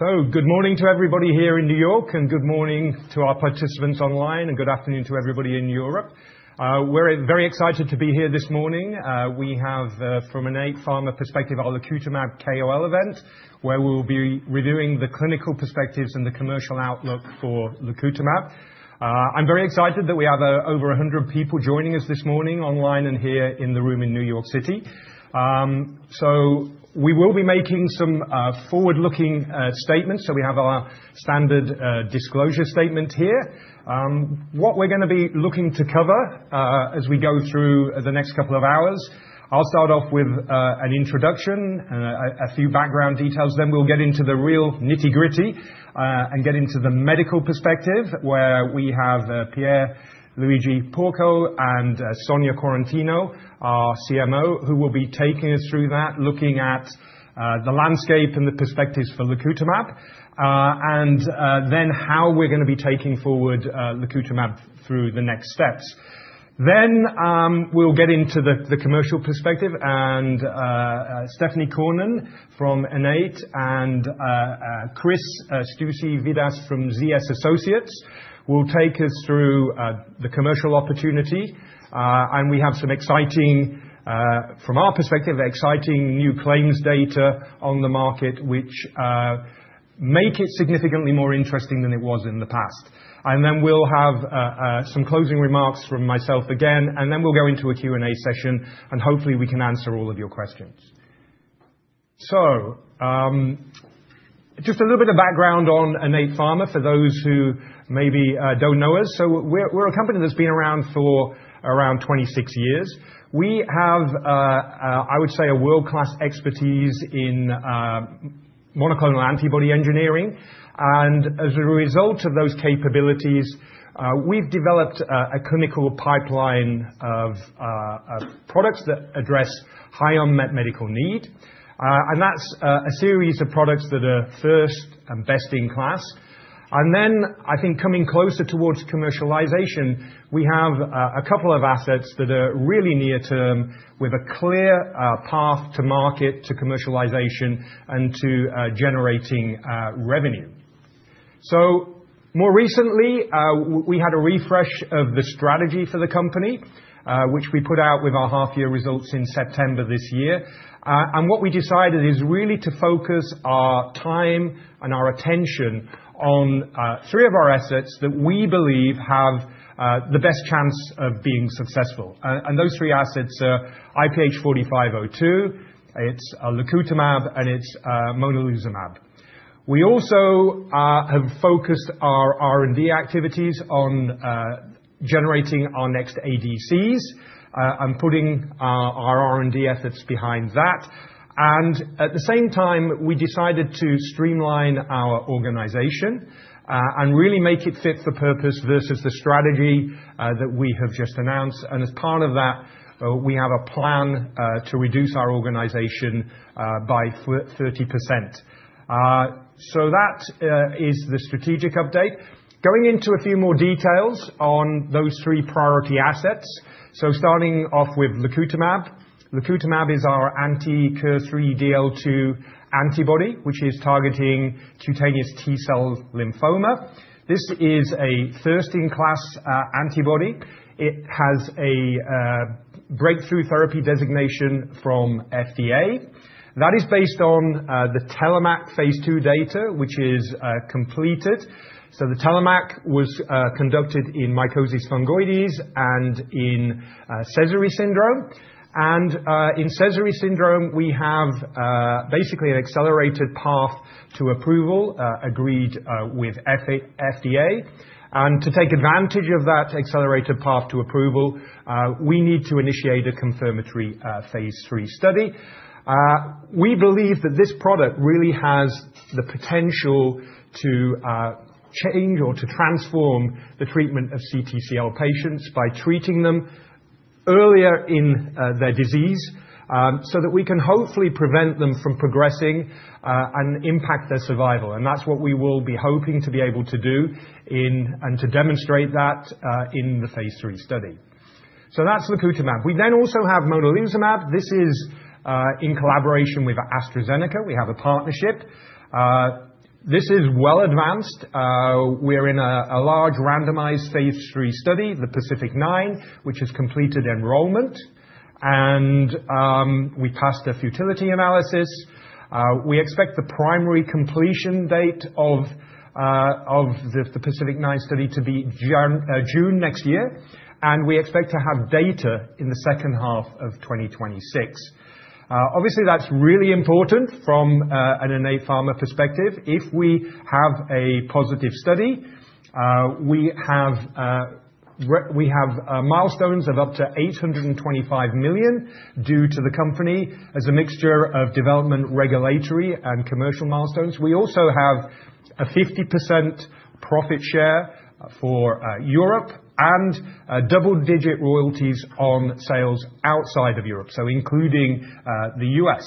Good morning to everybody here in New York, and good morning to our participants online, and good afternoon to everybody in Europe. We're very excited to be here this morning. We have, from an Innate Pharma perspective, our lacutamab KOL event, where we'll be reviewing the clinical perspectives and the commercial outlook for lacutamab. I'm very excited that we have over 100 people joining us this morning online and here in the room in New York City. We will be making some forward-looking statements. We have our standard disclosure statement here. What we're going to be looking to cover as we go through the next couple of hours. I'll start off with an introduction and a few background details. Then we'll get into the real nitty-gritty and get into the medical perspective, where we have Pierluigi Porcu and Sonia Quarantino, our CMO, who will be taking us through that, looking at the landscape and the perspectives for lacutamab, and then how we're going to be taking forward lacutamab through the next steps. Then we'll get into the commercial perspective, and Stéphanie Cornen from Innate and Chris Stuessy-Vidas from ZS Associates will take us through the commercial opportunity. And we have some exciting, from our perspective, exciting new claims data on the market, which make it significantly more interesting than it was in the past. And then we'll have some closing remarks from myself again, and then we'll go into a Q&A session, and hopefully we can answer all of your questions. So, just a little bit of background on Innate Pharma for those who maybe don't know us. So, we're a company that's been around for around 26 years. We have, I would say, a world-class expertise in monoclonal antibody engineering. And as a result of those capabilities, we've developed a clinical pipeline of products that address high unmet medical need. And that's a series of products that are first and best in class. And then, I think coming closer towards commercialization, we have a couple of assets that are really near-term with a clear path to market, to commercialization, and to generating revenue. So, more recently, we had a refresh of the strategy for the company, which we put out with our half-year results in September this year. And what we decided is really to focus our time and our attention on three of our assets that we believe have the best chance of being successful. Those three assets are IPH4502, it's lacutamab, and it's monalizumab. We also have focused our R&D activities on generating our next ADCs and putting our R&D efforts behind that. At the same time, we decided to streamline our organization and really make it fit for purpose versus the strategy that we have just announced. As part of that, we have a plan to reduce our organization by 30%. That is the strategic update. Going into a few more details on those three priority assets. Starting off with lacutamab. lacutamab is our anti-KIR3DL2 antibody, which is targeting cutaneous T-cell lymphoma. This is a first-in-class antibody. It has a Breakthrough Therapy Designation from FDA. That is based on the TELLOMAK Phase II data, which is completed. The TELLOMAK was conducted in mycosis fungoides and in Sézary syndrome. In Sézary syndrome, we have basically an accelerated path to approval agreed with FDA. To take advantage of that accelerated path to approval, we need to initiate a confirmatory Phase III study. We believe that this product really has the potential to change or to transform the treatment of CTCL patients by treating them earlier in their disease so that we can hopefully prevent them from progressing and impact their survival. That's what we will be hoping to be able to do and to demonstrate that in the Phase III study. That's lacutamab. We then also have monalizumab. This is in collaboration with AstraZeneca. We have a partnership. This is well advanced. We're in a large randomized Phase III study, the PACIFIC-9, which has completed enrollment. We passed a futility analysis. We expect the primary completion date of the PACIFIC-9 study to be June next year, and we expect to have data in the second half of 2026. Obviously, that's really important from an Innate Pharma perspective. If we have a positive study, we have milestones of up to $825 million due to the company as a mixture of development, regulatory, and commercial milestones. We also have a 50% profit share for Europe and double-digit royalties on sales outside of Europe, so including the U.S.,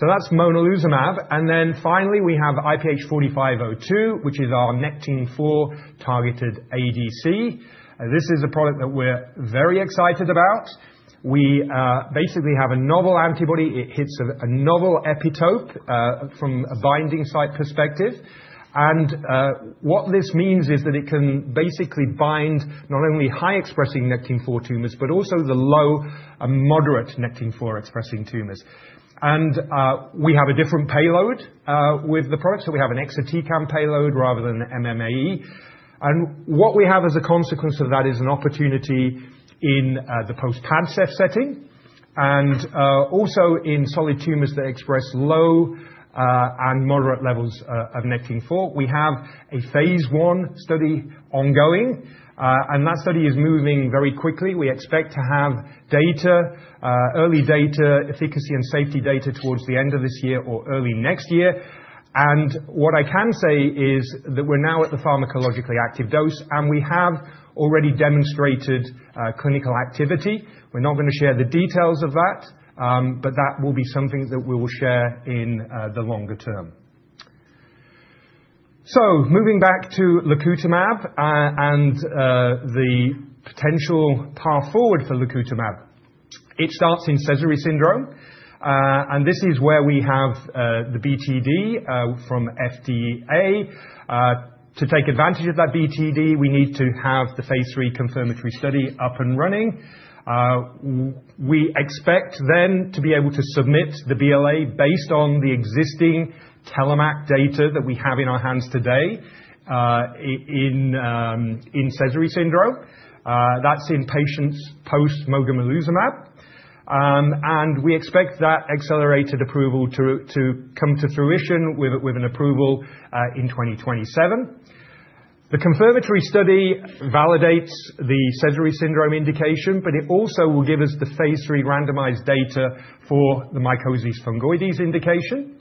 that's monalizumab, and then finally, we have IPH4502, which is our Nectin-4 targeted ADC. This is a product that we're very excited about. We basically have a novel antibody. It hits a novel epitope from a binding site perspective. And what this means is that it can basically bind not only high-expressing Nectin-4 tumors, but also the low- and moderate Nectin-4-expressing tumors. And we have a different payload with the product. So, we have an Exatecan payload rather than MMAE. And what we have as a consequence of that is an opportunity in the post-Padcev setting and also in solid tumors that express low and moderate levels of Nectin-4. We have a Phase I study ongoing. And that study is moving very quickly. We expect to have data, early data, efficacy and safety data towards the end of this year or early next year. And what I can say is that we're now at the pharmacologically active dose, and we have already demonstrated clinical activity. We're not going to share the details of that, but that will be something that we will share in the longer term. So, moving back to lacutamab and the potential path forward for lacutamab. It starts in Sézary syndrome. And this is where we have the BTD from FDA. To take advantage of that BTD, we need to have the Phase III confirmatory study up and running. We expect then to be able to submit the BLA based on the existing TELLOMAK data that we have in our hands today in Sézary syndrome. That's in patients post-mogamulizumab. And we expect that accelerated approval to come to fruition with an approval in 2027. The confirmatory study validates the Sézary syndrome indication, but it also will give us the Phase III randomized data for the mycosis fungoides indication.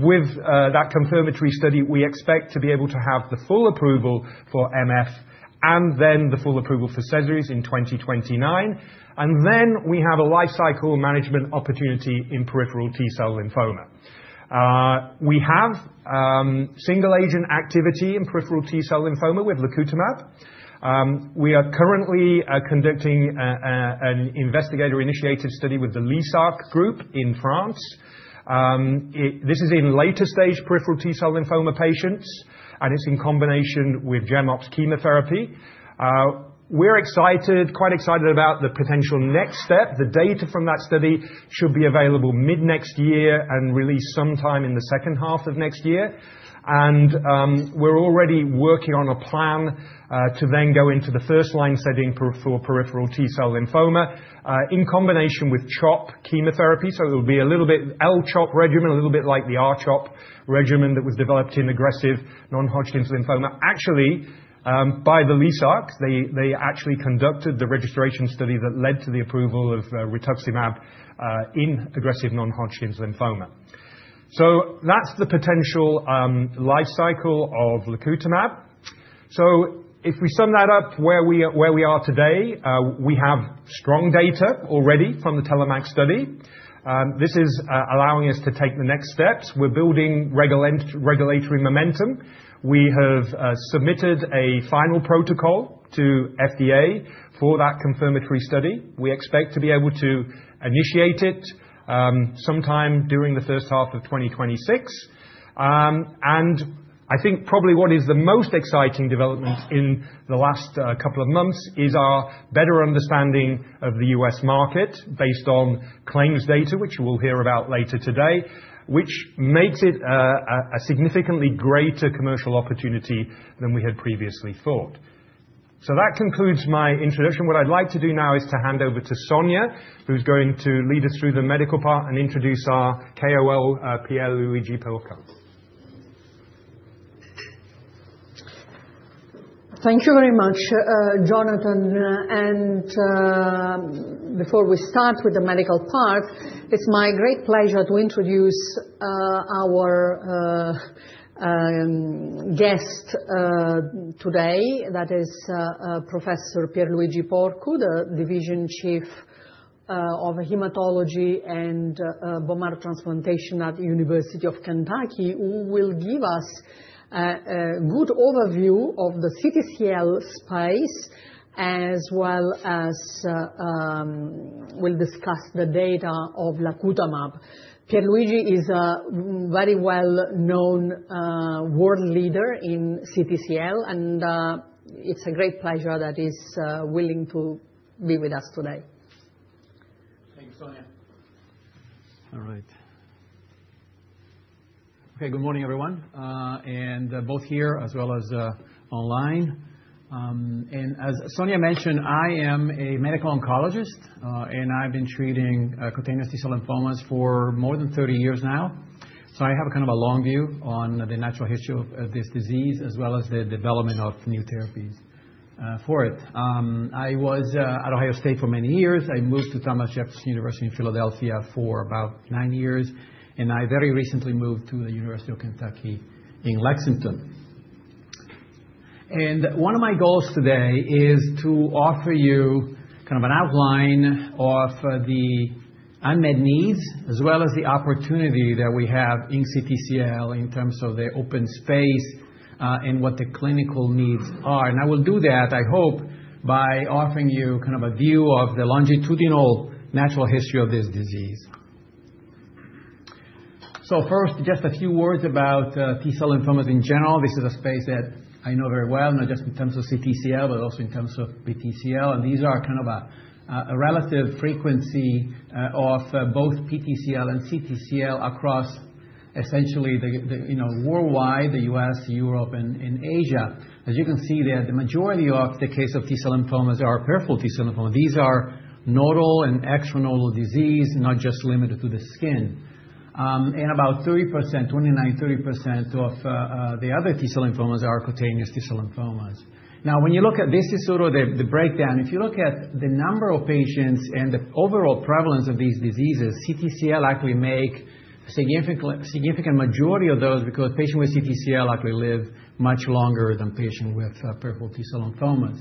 With that confirmatory study, we expect to be able to have the full approval for MF and then the full approval for Sézary's in 2029. We have a lifecycle management opportunity in peripheral T-cell lymphoma. We have single-agent activity in peripheral T-cell lymphoma with lacutamab. We are currently conducting an investigator-initiated study with the LYSARC group in France. This is in later-stage peripheral T-cell lymphoma patients, and it's in combination with GemOx chemotherapy. We're excited, quite excited about the potential next step. The data from that study should be available mid-next year and released sometime in the second half of next year. We're already working on a plan to then go into the first-line setting for peripheral T-cell lymphoma in combination with CHOP chemotherapy. It'll be a little bit L-CHOP regimen, a little bit like the R-CHOP regimen that was developed in aggressive non-Hodgkin's lymphoma. Actually, by the LYSARC's, they actually conducted the registration study that led to the approval of Rituximab in aggressive non-Hodgkin's lymphoma. So, that's the potential lifecycle of lacutamab. So, if we sum that up where we are today, we have strong data already from the TELLOMAK study. This is allowing us to take the next steps. We're building regulatory momentum. We have submitted a final protocol to FDA for that confirmatory study. We expect to be able to initiate it sometime during the first half of 2026. And I think probably what is the most exciting development in the last couple of months is our better understanding of the U.S. market based on claims data, which we'll hear about later today, which makes it a significantly greater commercial opportunity than we had previously thought. So, that concludes my introduction. What I'd like to do now is to hand over to Sonia, who's going to lead us through the medical part and introduce our KOL, Pierluigi Porcu. Thank you very much, Jonathan. And before we start with the medical part, it's my great pleasure to introduce our guest today. That is Professor Pierluigi Porcu, the Division Chief of hHematology and Bone Marrow Transplantation at the University of Kentucky, who will give us a good overview of the CTCL space, as well as will discuss the data of lacutamab. Pierluigi Porcu is a very well-known world leader in CTCL, and it's a great pleasure that he's willing to be with us today. Thank you, Sonia. All right. Okay, good morning, everyone, and both here as well as online, and as Sonia mentioned, I am a Medical oncologist, and I've been treating cutaneous T-cell lymphomas for more than 30 years now, so I have kind of a long view on the natural history of this disease as well as the development of new therapies for it. I was at Ohio State for many years. I moved to Thomas Jefferson University in Philadelphia for about nine years, and I very recently moved to the University of Kentucky in Lexington, and one of my goals today is to offer you kind of an outline of the unmet needs as well as the opportunity that we have in CTCL in terms of the open space and what the clinical needs are. I will do that, I hope, by offering you kind of a view of the longitudinal natural history of this disease. So, first, just a few words about T-cell lymphomas in general. This is a space that I know very well, not just in terms of CTCL, but also in terms of PTCL. And these are kind of a relative frequency of both PTCL and CTCL across essentially worldwide, the U.S., Europe, and Asia. As you can see there, the majority of the case of T-cell lymphomas are peripheral T-cell lymphoma. These are nodal and extracorporeal disease, not just limited to the skin. And about 30%, 29%-30% of the other T-cell lymphomas are cutaneous T-cell lymphomas. Now, when you look at this is sort of the breakdown. If you look at the number of patients and the overall prevalence of these diseases, CTCL actually makes a significant majority of those because patients with CTCL actually live much longer than patients with peripheral T-cell lymphomas.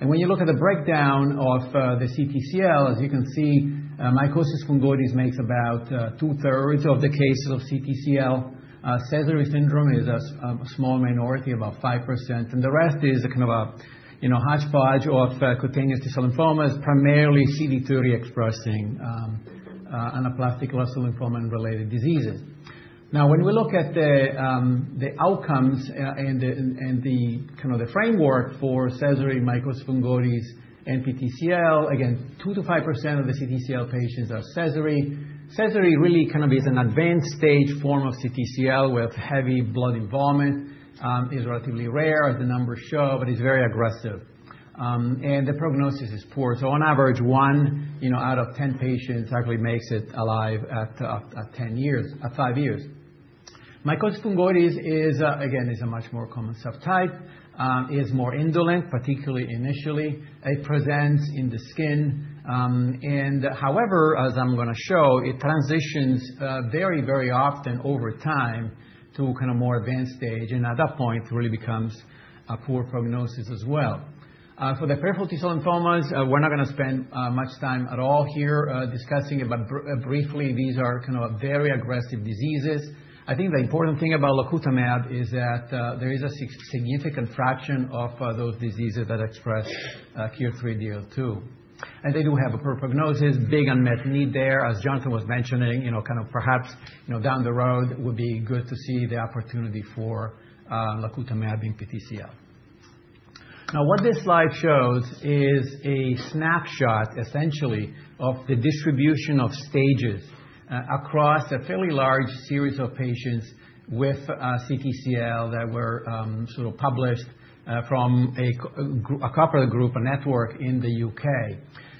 And when you look at the breakdown of the CTCL, as you can see, mycosis fungoides makes about two-thirds of the cases of CTCL. Sézary syndrome is a small minority, about 5%. And the rest is kind of a hodgepodge of cutaneous T-cell lymphomas, primarily CD3 expressing anaplastic lymphoma and related diseases. Now, when we look at the outcomes and the kind of the framework for Sézary mycosis fungoides and PTCL, again, 2%-5% of the CTCL patients are Sézary. Sézary really kind of is an advanced stage form of CTCL where it's heavy blood involvement. It's relatively rare, as the numbers show, but it's very aggressive. And the prognosis is poor. On average, one out of 10 patients actually makes it alive at 10 years, at five years. Mycosis fungoides is, again, a much more common subtype. It is more indolent, particularly initially. It presents in the skin. However, as I'm going to show, it transitions very, very often over time to kind of more advanced stage. At that point, it really becomes a poor prognosis as well. For the peripheral T-cell lymphomas, we're not going to spend much time at all here discussing it, but briefly, these are kind of very aggressive diseases. I think the important thing about lacutamab is that there is a significant fraction of those diseases that express KIR3DL2. They do have a poor prognosis, big unmet need there, as Jonathan was mentioning, kind of perhaps down the road would be good to see the opportunity for lacutamab in PTCL. Now, what this slide shows is a snapshot essentially of the distribution of stages across a fairly large series of patients with CTCL that were sort of published from a cooperative group, a network in the U.K.,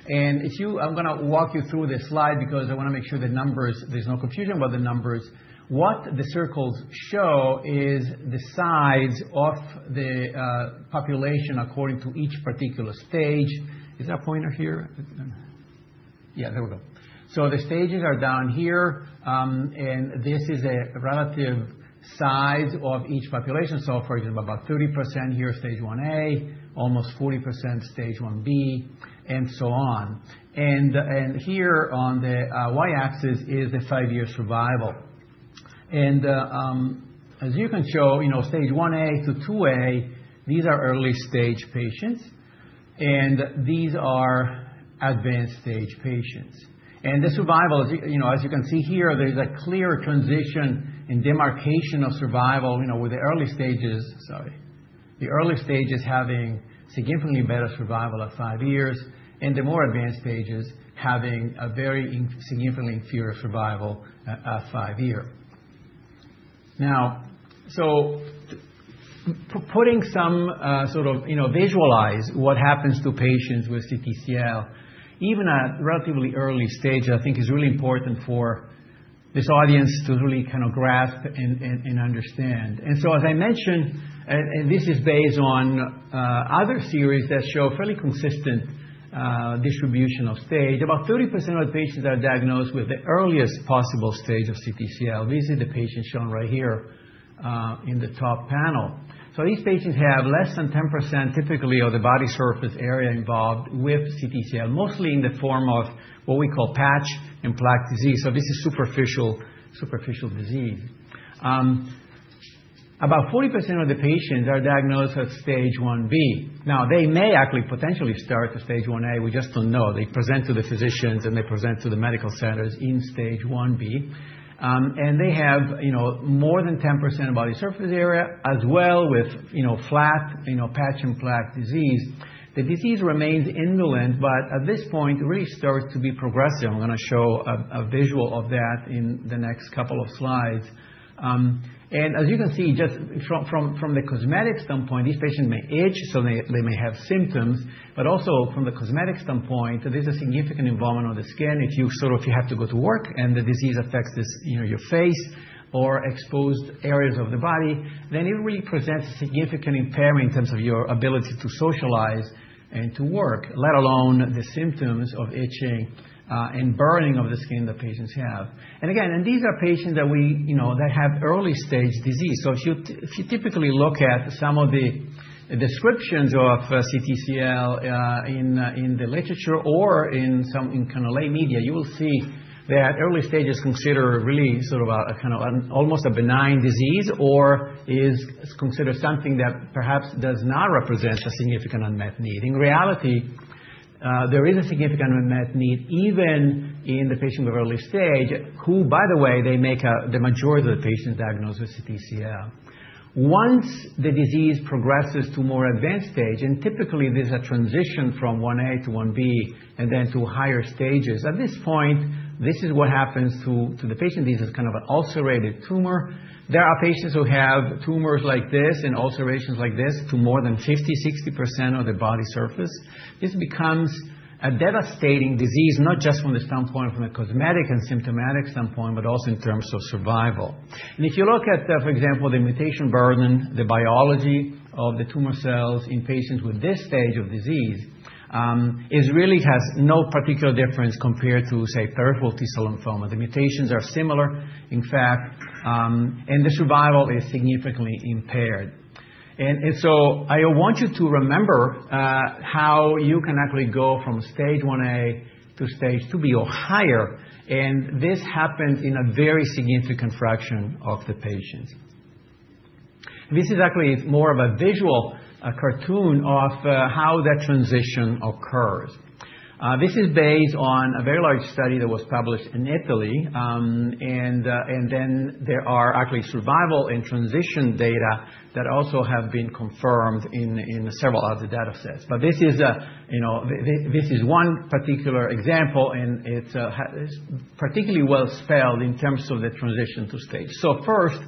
and I'm going to walk you through this slide because I want to make sure the numbers, there's no confusion about the numbers, what the circles show is the size of the population according to each particular stage. Is that a pointer here? Yeah, there we go, so the stages are down here, and this is a relative size of each population, so for example, about 30% here is stage 1A, almost 40% stage 1B, and so on, and here on the Y-axis is the five-year survival, and as you can show, stage 1A to 2A, these are early-stage patients, and these are advanced-stage patients. And the survival, as you can see here, there's a clear transition in demarcation of survival with the early stages, sorry, the early stages having significantly better survival at five years, and the more advanced stages having a very significantly inferior survival at five years. Now, so putting some sort of visualize what happens to patients with CTCL, even at relatively early stage, I think is really important for this audience to really kind of grasp and understand. And so, as I mentioned, and this is based on other series that show fairly consistent distribution of stage. About 30% of the patients are diagnosed with the earliest possible stage of CTCL. This is the patient shown right here in the top panel. So, these patients have less than 10% typically of the body surface area involved with CTCL, mostly in the form of what we call patch and plaque disease. This is superficial disease. About 40% of the patients are diagnosed at stage 1B. Now, they may actually potentially start at stage 1A. We just don't know. They present to the physicians and they present to the medical centers in stage 1B. They have more than 10% body surface area as well with flat patch and plaque disease. The disease remains indolent, but at this point, it really starts to be progressive. I'm going to show a visual of that in the next couple of slides. As you can see, just from the cosmetic standpoint, these patients may itch, so they may have symptoms. But also from the cosmetic standpoint, there's a significant involvement of the skin. If you sort of have to go to work and the disease affects your face or exposed areas of the body, then it really presents a significant impairment in terms of your ability to socialize and to work, let alone the symptoms of itching and burning of the skin that patients have, and again, these are patients that have early-stage disease, so if you typically look at some of the descriptions of CTCL in the literature or in some kind of lay media, you will see that early stages consider really sort of almost a benign disease or is considered something that perhaps does not represent a significant unmet need. In reality, there is a significant unmet need even in the patient with early stage, who, by the way, they make the majority of the patients diagnosed with CTCL. Once the disease progresses to more advanced stage, and typically there's a transition from 1A to 1B and then to higher stages, at this point, this is what happens to the patient. This is kind of an ulcerated tumor. There are patients who have tumors like this and ulcerations like this to more than 50%-60% of the body surface. This becomes a devastating disease, not just from the standpoint from the cosmetic and symptomatic standpoint, but also in terms of survival, and if you look at, for example, the mutation burden, the biology of the tumor cells in patients with this stage of disease really has no particular difference compared to, say, peripheral T-cell lymphoma. The mutations are similar, in fact, and the survival is significantly impaired, and so, I want you to remember how you can actually go from stage 1A to stage 2B or higher. This happens in a very significant fraction of the patients. This is actually more of a visual cartoon of how that transition occurs. This is based on a very large study that was published in Italy. And then there are actually survival and transition data that also have been confirmed in several other datasets. But this is one particular example, and it's particularly well spelled in terms of the transition to stage. First,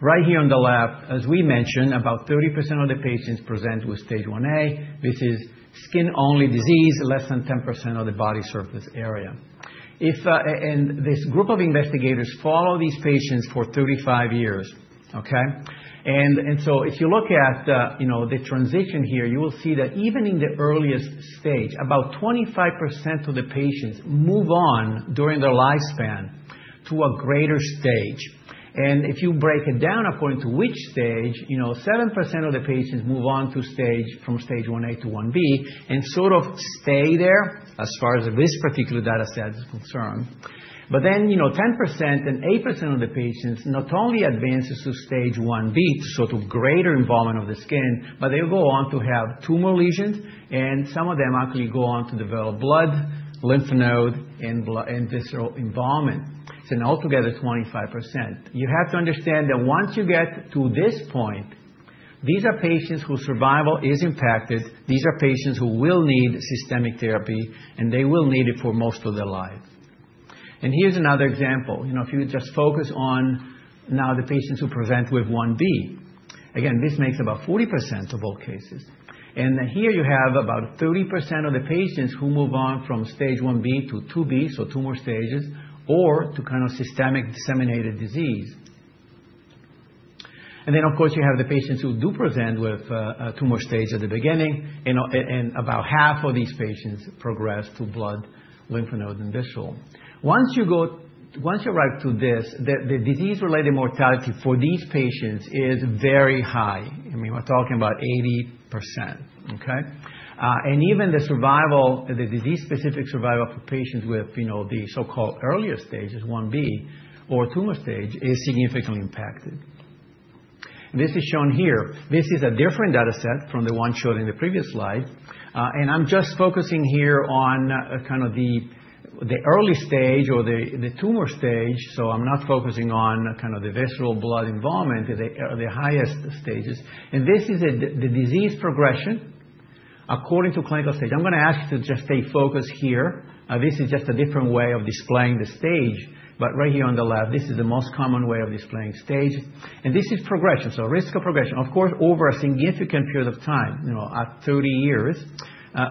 right here on the left, as we mentioned, about 30% of the patients present with stage 1A. This is skin-only disease, less than 10% of the body surface area. And this group of investigators followed these patients for 35 years. Okay? And so, if you look at the transition here, you will see that even in the earliest stage, about 25% of the patients move on during their lifespan to a greater stage. If you break it down according to which stage, 7% of the patients move on from stage 1A to 1B and sort of stay there as far as this particular dataset is concerned. But then 10% and 8% of the patients not only advance to stage 1B, to sort of greater involvement of the skin, but they go on to have tumor lesions, and some of them actually go on to develop blood, lymph node, and visceral involvement. So, altogether, 25%. You have to understand that once you get to this point, these are patients whose survival is impacted. These are patients who will need systemic therapy, and they will need it for most of their lives. Here's another example. If you just focus on now the patients who present with 1B. Again, this makes about 40% of all cases. And then here you have about 30% of the patients who move on from stage 1B to 2B, so tumor stages, or to kind of systemic disseminated disease. And then, of course, you have the patients who do present with tumor stage at the beginning, and about half of these patients progress to blood, lymph node, and visceral. Once you arrive to this, the disease-related mortality for these patients is very high. I mean, we're talking about 80%. Okay? And even the disease-specific survival for patients with the so-called earlier stages, 1B or tumor stage, is significantly impacted. This is shown here. This is a different dataset from the one shown in the previous slide. And I'm just focusing here on kind of the early stage or the tumor stage. So, I'm not focusing on kind of the visceral blood involvement, the highest stages. This is the disease progression according to clinical stage. I'm going to ask you to just stay focused here. This is just a different way of displaying the stage. Right here on the left, this is the most common way of displaying stage. This is progression, so risk of progression, of course, over a significant period of time, at 30 years.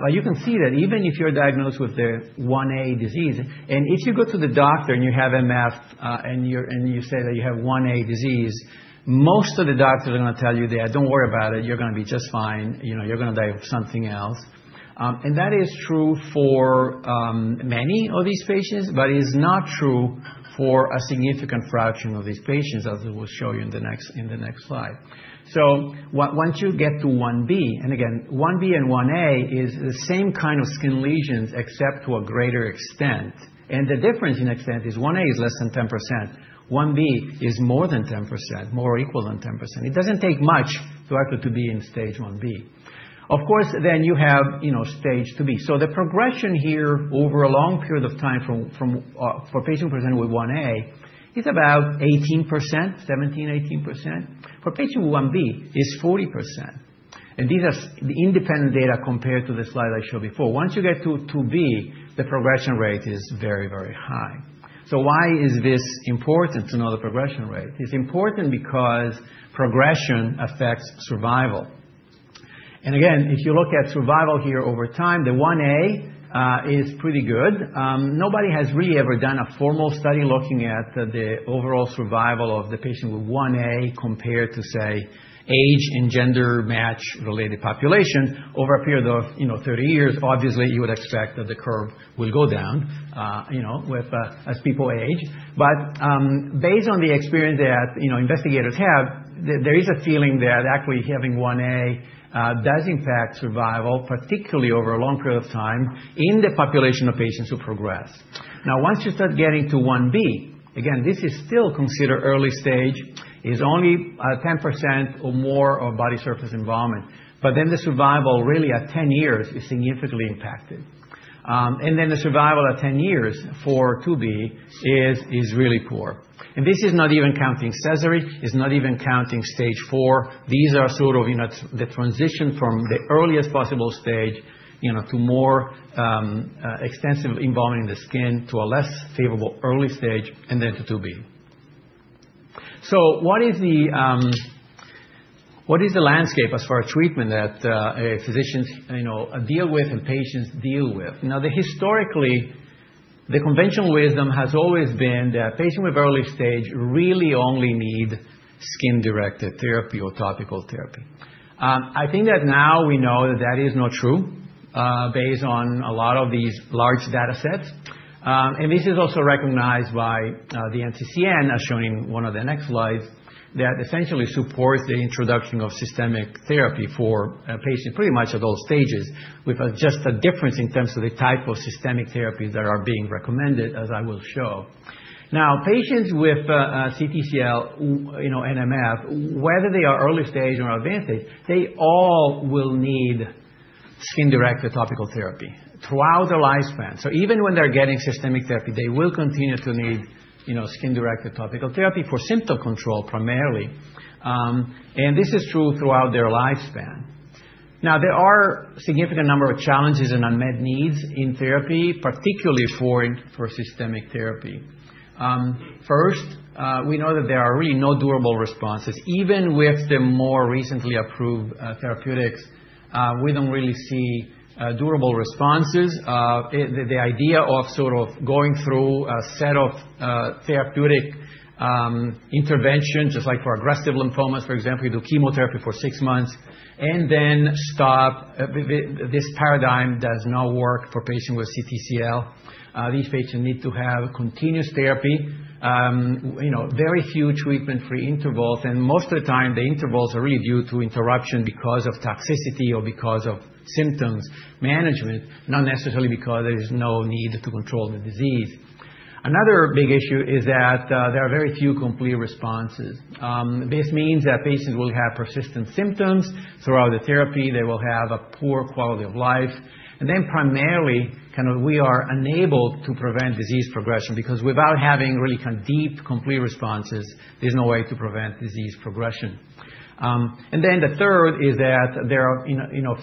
You can see that even if you're diagnosed with the 1A disease, and if you go to the doctor and you have MF and you say that you have 1A disease, most of the doctors are going to tell you that, "Don't worry about it. You're going to be just fine. You're going to die of something else," and that is true for many of these patients, but it is not true for a significant fraction of these patients, as we will show you in the next slide, so once you get to 1B, and again, 1A is the same kind of skin lesions, except to a greater extent, and the difference in extent is 1A is less than 10%. 1B is more than 10%, more equal than 10%. It doesn't take much to actually be in stage 1B. Of course, then you have stage 2B, so the progression here over a long period of time for patients present with 1A is about 18%, 17%-18%. For patients with 1B, it's 40%, and these are the independent data compared to the slide I showed before. Once you get to 2B, the progression rate is very, very high. Why is this important to know the progression rate? It's important because progression affects survival. And again, if you look at survival here over time, the IA is pretty good. Nobody has really ever done a formal study looking at the overall survival of the patient with IA compared to, say, age- and gender-matched populations over a period of 30 years. Obviously, you would expect that the curve will go down as people age. But based on the experience that investigators have, there is a feeling that actually having IA does impact survival, particularly over a long period of time in the population of patients who progress. Now, once you start getting to IB, again, this is still considered early stage. It's only 10% or more of body surface involvement. But then the survival really at 10 years is significantly impacted. And then the survival at 10 years for 2B is really poor. And this is not even counting Sézary. It's not even counting stage 4. These are sort of the transition from the earliest possible stage to more extensive involvement in the skin to a less favorable early stage and then to 2B. So, what is the landscape as far as treatment that physicians deal with and patients deal with? Now, historically, the conventional wisdom has always been that patients with early stage really only need skin-directed therapy or topical therapy. I think that now we know that that is not true based on a lot of these large datasets. And this is also recognized by the NCCN, as shown in one of the next slides, that essentially supports the introduction of systemic therapy for patients pretty much at all stages, with just a difference in terms of the type of systemic therapies that are being recommended, as I will show. Now, patients with CTCL, NMF, whether they are early stage or advanced stage, they all will need skin-directed topical therapy throughout their lifespan. So, even when they're getting systemic therapy, they will continue to need skin-directed topical therapy for symptom control primarily. And this is true throughout their lifespan. Now, there are a significant number of challenges and unmet needs in therapy, particularly for systemic therapy. First, we know that there are really no durable responses. Even with the more recently approved therapeutics, we don't really see durable responses. The idea of sort of going through a set of therapeutic interventions, just like for aggressive lymphomas, for example, you do chemotherapy for six months and then stop. This paradigm does not work for patients with CTCL. These patients need to have continuous therapy, very few treatment-free intervals, and most of the time, the intervals are really due to interruption because of toxicity or because of symptoms management, not necessarily because there is no need to control the disease. Another big issue is that there are very few complete responses. This means that patients will have persistent symptoms throughout the therapy. They will have a poor quality of life, and then primarily, kind of we are unable to prevent disease progression because without having really kind of deep, complete responses, there's no way to prevent disease progression, and then the third is that there are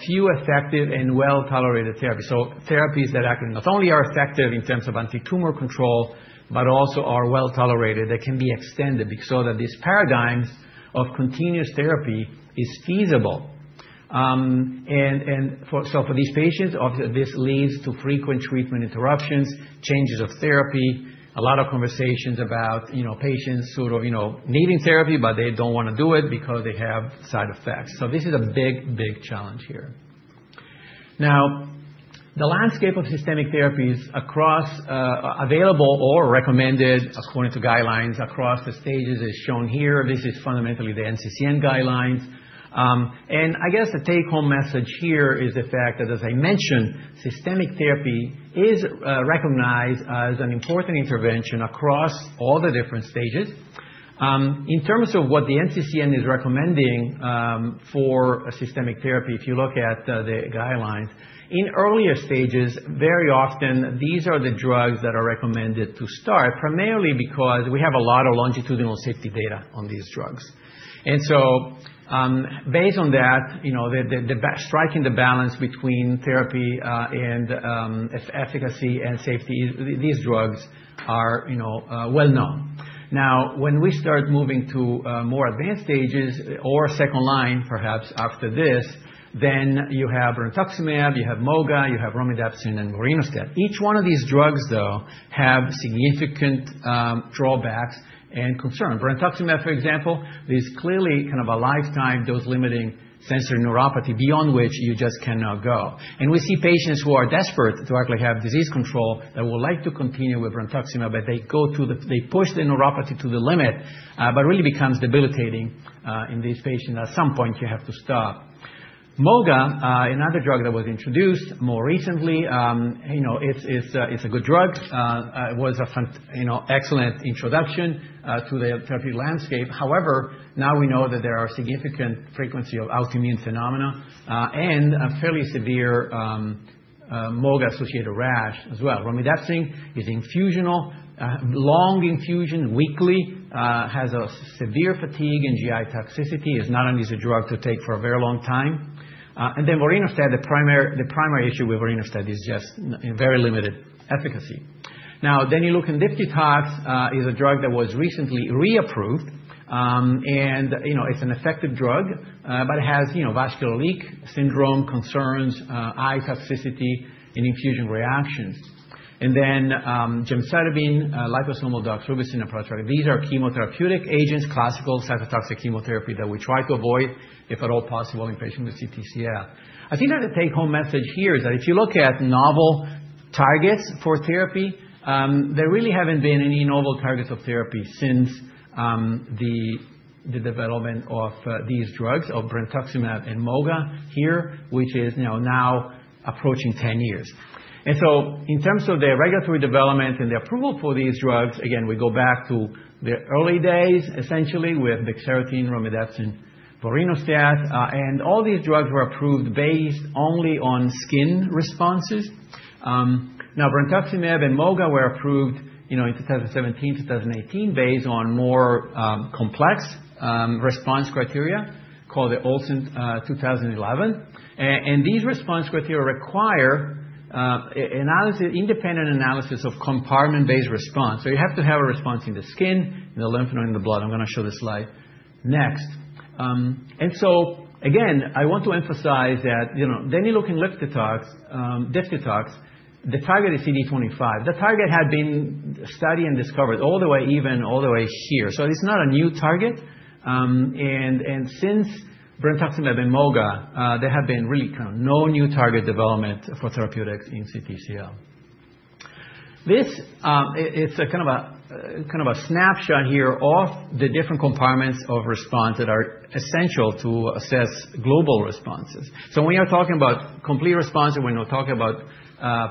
few effective and well-tolerated therapies. Therapies that actually not only are effective in terms of anti-tumor control, but also are well-tolerated, they can be extended so that this paradigm of continuous therapy is feasible. For these patients, obviously, this leads to frequent treatment interruptions, changes of therapy, a lot of conversations about patients sort of needing therapy, but they don't want to do it because they have side effects. This is a big, big challenge here. Now, the landscape of systemic therapies available or recommended according to guidelines across the stages is shown here. This is fundamentally the NCCN guidelines. I guess the take-home message here is the fact that, as I mentioned, systemic therapy is recognized as an important intervention across all the different stages. In terms of what the NCCN is recommending for systemic therapy, if you look at the guidelines, in earlier stages, very often, these are the drugs that are recommended to start, primarily because we have a lot of longitudinal safety data on these drugs. And so, based on that, striking the balance between therapy and efficacy and safety, these drugs are well-known. Now, when we start moving to more advanced stages or second line, perhaps after this, then you have rituximab, you have moga, you have romidepsin, and vorinostat. Each one of these drugs, though, has significant drawbacks and concerns. Rituximab, for example, is clearly kind of a lifetime dose-limiting sensory neuropathy beyond which you just cannot go. And we see patients who are desperate to actually have disease control that would like to continue with Rituximab, but they push the neuropathy to the limit, but it really becomes debilitating in these patients. At some point, you have to stop. moga, another drug that was introduced more recently, it's a good drug. It was an excellent introduction to the therapeutic landscape. However, now we know that there are significant frequency of autoimmune phenomena and a fairly severe moga-associated rash as well. romidepsin is infusional, long infusion, weekly, has severe fatigue and GI toxicity. It's not an easy drug to take for a very long time. And then Vorinostat, the primary issue with Vorinostat is just very limited efficacy. Now, Denileukin diftitox, it's a drug that was recently reapproved. And it's an effective drug, but it has vascular leak syndrome concerns, eye toxicity, and infusion reactions. And then gemcitabine, liposomal doxorubicin, and pralatrexate. These are chemotherapeutic agents, classical cytotoxic chemotherapy that we try to avoid, if at all possible, in patients with CTCL. I think that the take-home message here is that if you look at novel targets for therapy, there really haven't been any novel targets of therapy since the development of these drugs, of rituximab and moga here, which is now approaching 10 years. And so, in terms of the regulatory development and the approval for these drugs, again, we go back to the early days, essentially, with denileukin diftitox, romidepsin, vorinostat. And all these drugs were approved based only on skin responses. Now, rituximab and moga were approved in 2017, 2018, based on more complex response criteria called the Olsen 2011. And these response criteria require independent analysis of compartment-based response. You have to have a response in the skin, in the lymph node, and in the blood. I'm going to show this slide next. And so, again, I want to emphasize that denileukin diftitox, the target is CD25. The target had been studied and discovered all the way here. It's not a new target. And since Rituximab and moga, there have been really kind of no new target development for therapeutics in CTCL. This is kind of a snapshot here of the different compartments of response that are essential to assess global responses. When we are talking about complete responses, when we're talking about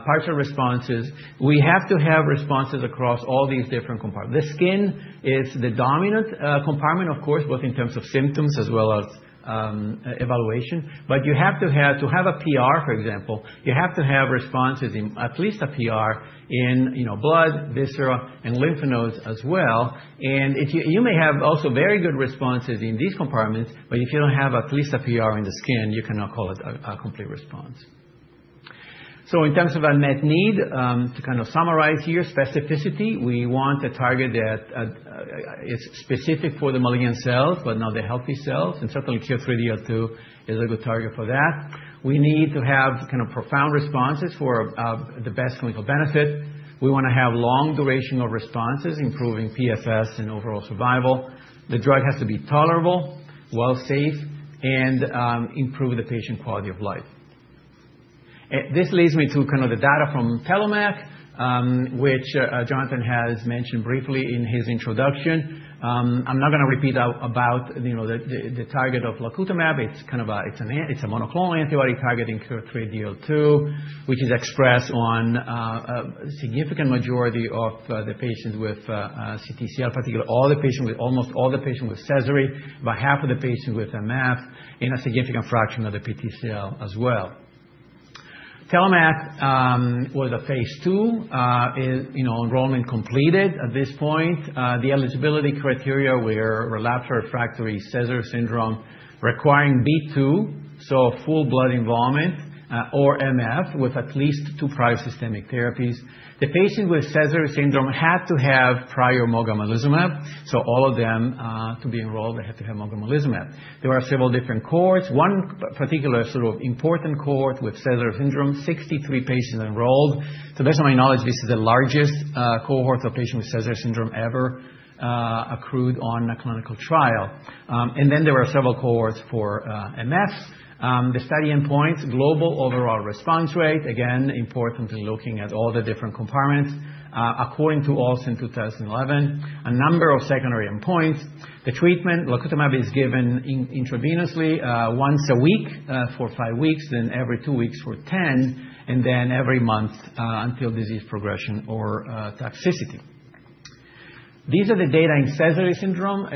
partial responses, we have to have responses across all these different compartments. The skin is the dominant compartment, of course, both in terms of symptoms as well as evaluation. But you have to have a PR, for example. You have to have responses in at least a PR in blood, visceral, and lymph nodes as well. And you may have also very good responses in these compartments, but if you don't have at least a PR in the skin, you cannot call it a complete response. So, in terms of unmet need, to kind of summarize here, specificity, we want a target that is specific for the malignant cells, but not the healthy cells. And certainly, KIR3DL2 is a good target for that. We need to have kind of profound responses for the best clinical benefit. We want to have long duration of responses, improving PFS and overall survival. The drug has to be tolerable, well-safe, and improve the patient quality of life. This leads me to kind of the data from TELLOMAK, which Jonathan has mentioned briefly in his introduction. I'm not going to repeat about the target of lacutamab. It's kind of a monoclonal antibody targeting KIR3DL2, which is expressed on a significant majority of the patients with CTCL, particularly all the patients, almost all the patients with Sézary syndrome, about half of the patients with MF, and a significant fraction of the PTCL as well. TELLOMAK was a Phase II enrollment completed at this point. The eligibility criteria were relapsed/refractory Sézary syndrome requiring B2, so full blood involvement, or MF with at least two prior systemic therapies. The patient with Sézary syndrome had to have prior mogamulizumab. So, all of them to be enrolled, they had to have mogamulizumab. There were several different cohorts. One particular sort of important cohort with Sézary syndrome, 63 patients enrolled. To the best of my knowledge, this is the largest cohort of patients with Sézary syndrome ever accrued on a clinical trial, and then there were several cohorts for MF. The study endpoints. Global overall response rate, again, importantly looking at all the different compartments, according to Olsen 2011. A number of secondary endpoints. The treatment, lacutamab, is given intravenously once a week for five weeks, then every two weeks for 10, and then every month until disease progression or toxicity. These are the data in Sézary syndrome.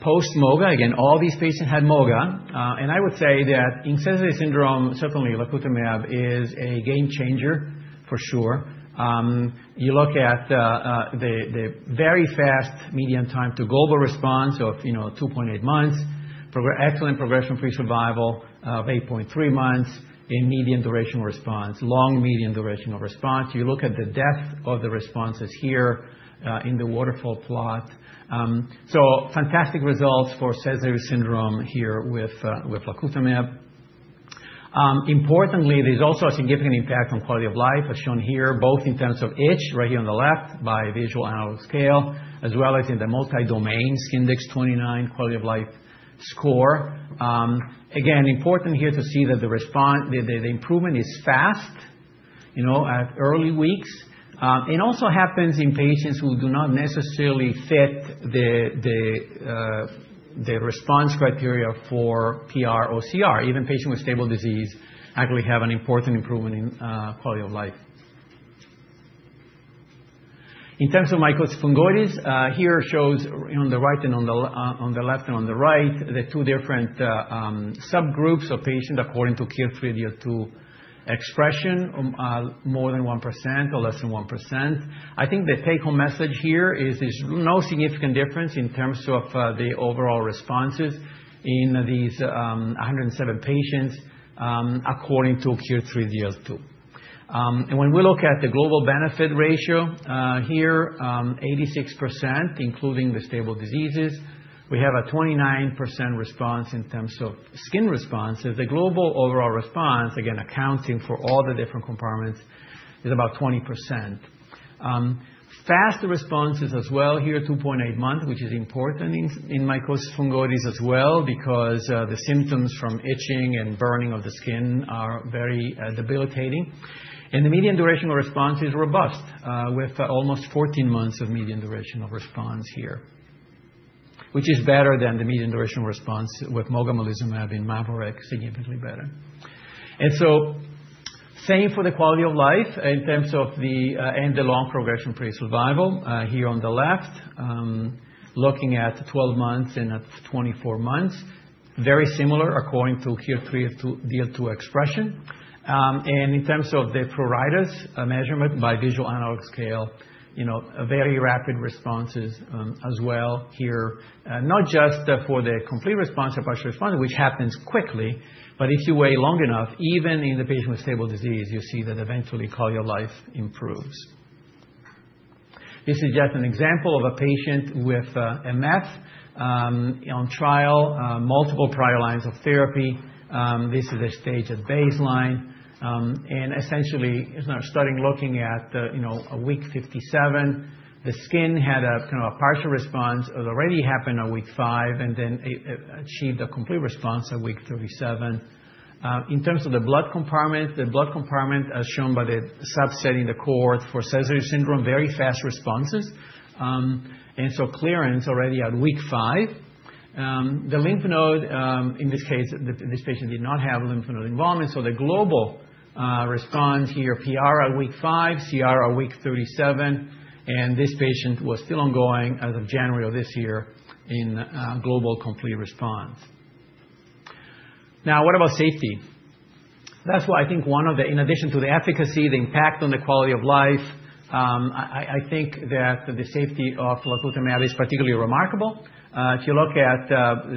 Post-moga, again, all these patients had moga, and I would say that in Sézary syndrome, certainly lacutamab is a game changer, for sure. You look at the very fast median time to global response of 2.8 months, excellent progression-free survival of 8.3 months, and median duration of response, long median duration of response. You look at the depth of the responses here in the waterfall plot. So, fantastic results for Sézary syndrome here with lacutamab. Importantly, there's also a significant impact on quality of life, as shown here, both in terms of itch, right here on the left by visual analog scale, as well as in the multi-domain Skindex-29 quality of life score. Again, important here to see that the improvement is fast at early weeks. It also happens in patients who do not necessarily fit the response criteria for PR or CR. Even patients with stable disease actually have an important improvement in quality of life. In terms of mycosis fungoides, here shows on the right and on the left and on the right, the two different subgroups of patients according to KIR3DL2 expression, more than 1% or less than 1%. I think the take-home message here is there's no significant difference in terms of the overall responses in these 107 patients according to KIR3DL2. And when we look at the global benefit ratio here, 86%, including the stable diseases, we have a 29% response in terms of skin responses. The global overall response, again, accounting for all the different compartments, is about 20%. Faster responses as well here, 2.8 months, which is important in mycosis fungoides as well, because the symptoms from itching and burning of the skin are very debilitating. And the median duration of response is robust, with almost 14 months of median duration of response here, which is better than the median duration of response with mogamulizumab in MAVORIC, significantly better. And so, same for the quality of life in terms of the endpoint and long-term progression-free survival here on the left, looking at 12 months and at 24 months, very similar according to KIR3DL2 expression. And in terms of the pruritus measurement by visual analog scale, very rapid responses as well here, not just for the complete response or partial response, which happens quickly, but if you wait long enough, even in the patient with stable disease, you see that eventually quality of life improves. This is just an example of a patient with MF on trial, multiple prior lines of therapy. This is a stage at baseline. And essentially, starting looking at week 57, the skin had a kind of a partial response. It already happened at week five and then achieved a complete response at week 37. In terms of the blood compartment, as shown by subsetting the cohort for Sézary syndrome, very fast responses. Clearance already at week 5. The lymph node, in this case, this patient did not have lymph node involvement. The global response here, PR at week 5, CR at week 37. This patient was still ongoing as of January of this year in global complete response. Now, what about safety? That's why I think one of the, in addition to the efficacy, the impact on the quality of life, I think that the safety of lacutamab is particularly remarkable. If you look,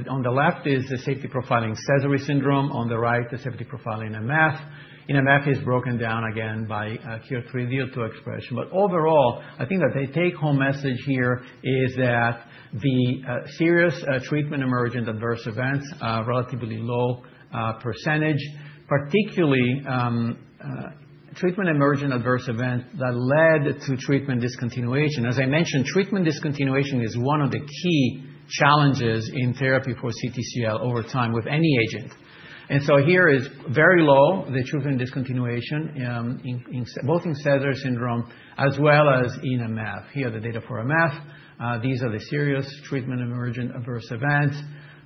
on the left is the safety profile in Sézary syndrome. On the right, the safety profile in MF. MF is broken down again by KIR3DL2 expression. But overall, I think that the take-home message here is that the serious treatment emergent adverse events, relatively low percentage, particularly treatment emergent adverse events that led to treatment discontinuation. As I mentioned, treatment discontinuation is one of the key challenges in therapy for CTCL over time with any agent. And so, here is very low, the treatment discontinuation, both in Sézary syndrome as well as in MF. Here are the data for MF. These are the serious treatment emergent adverse events,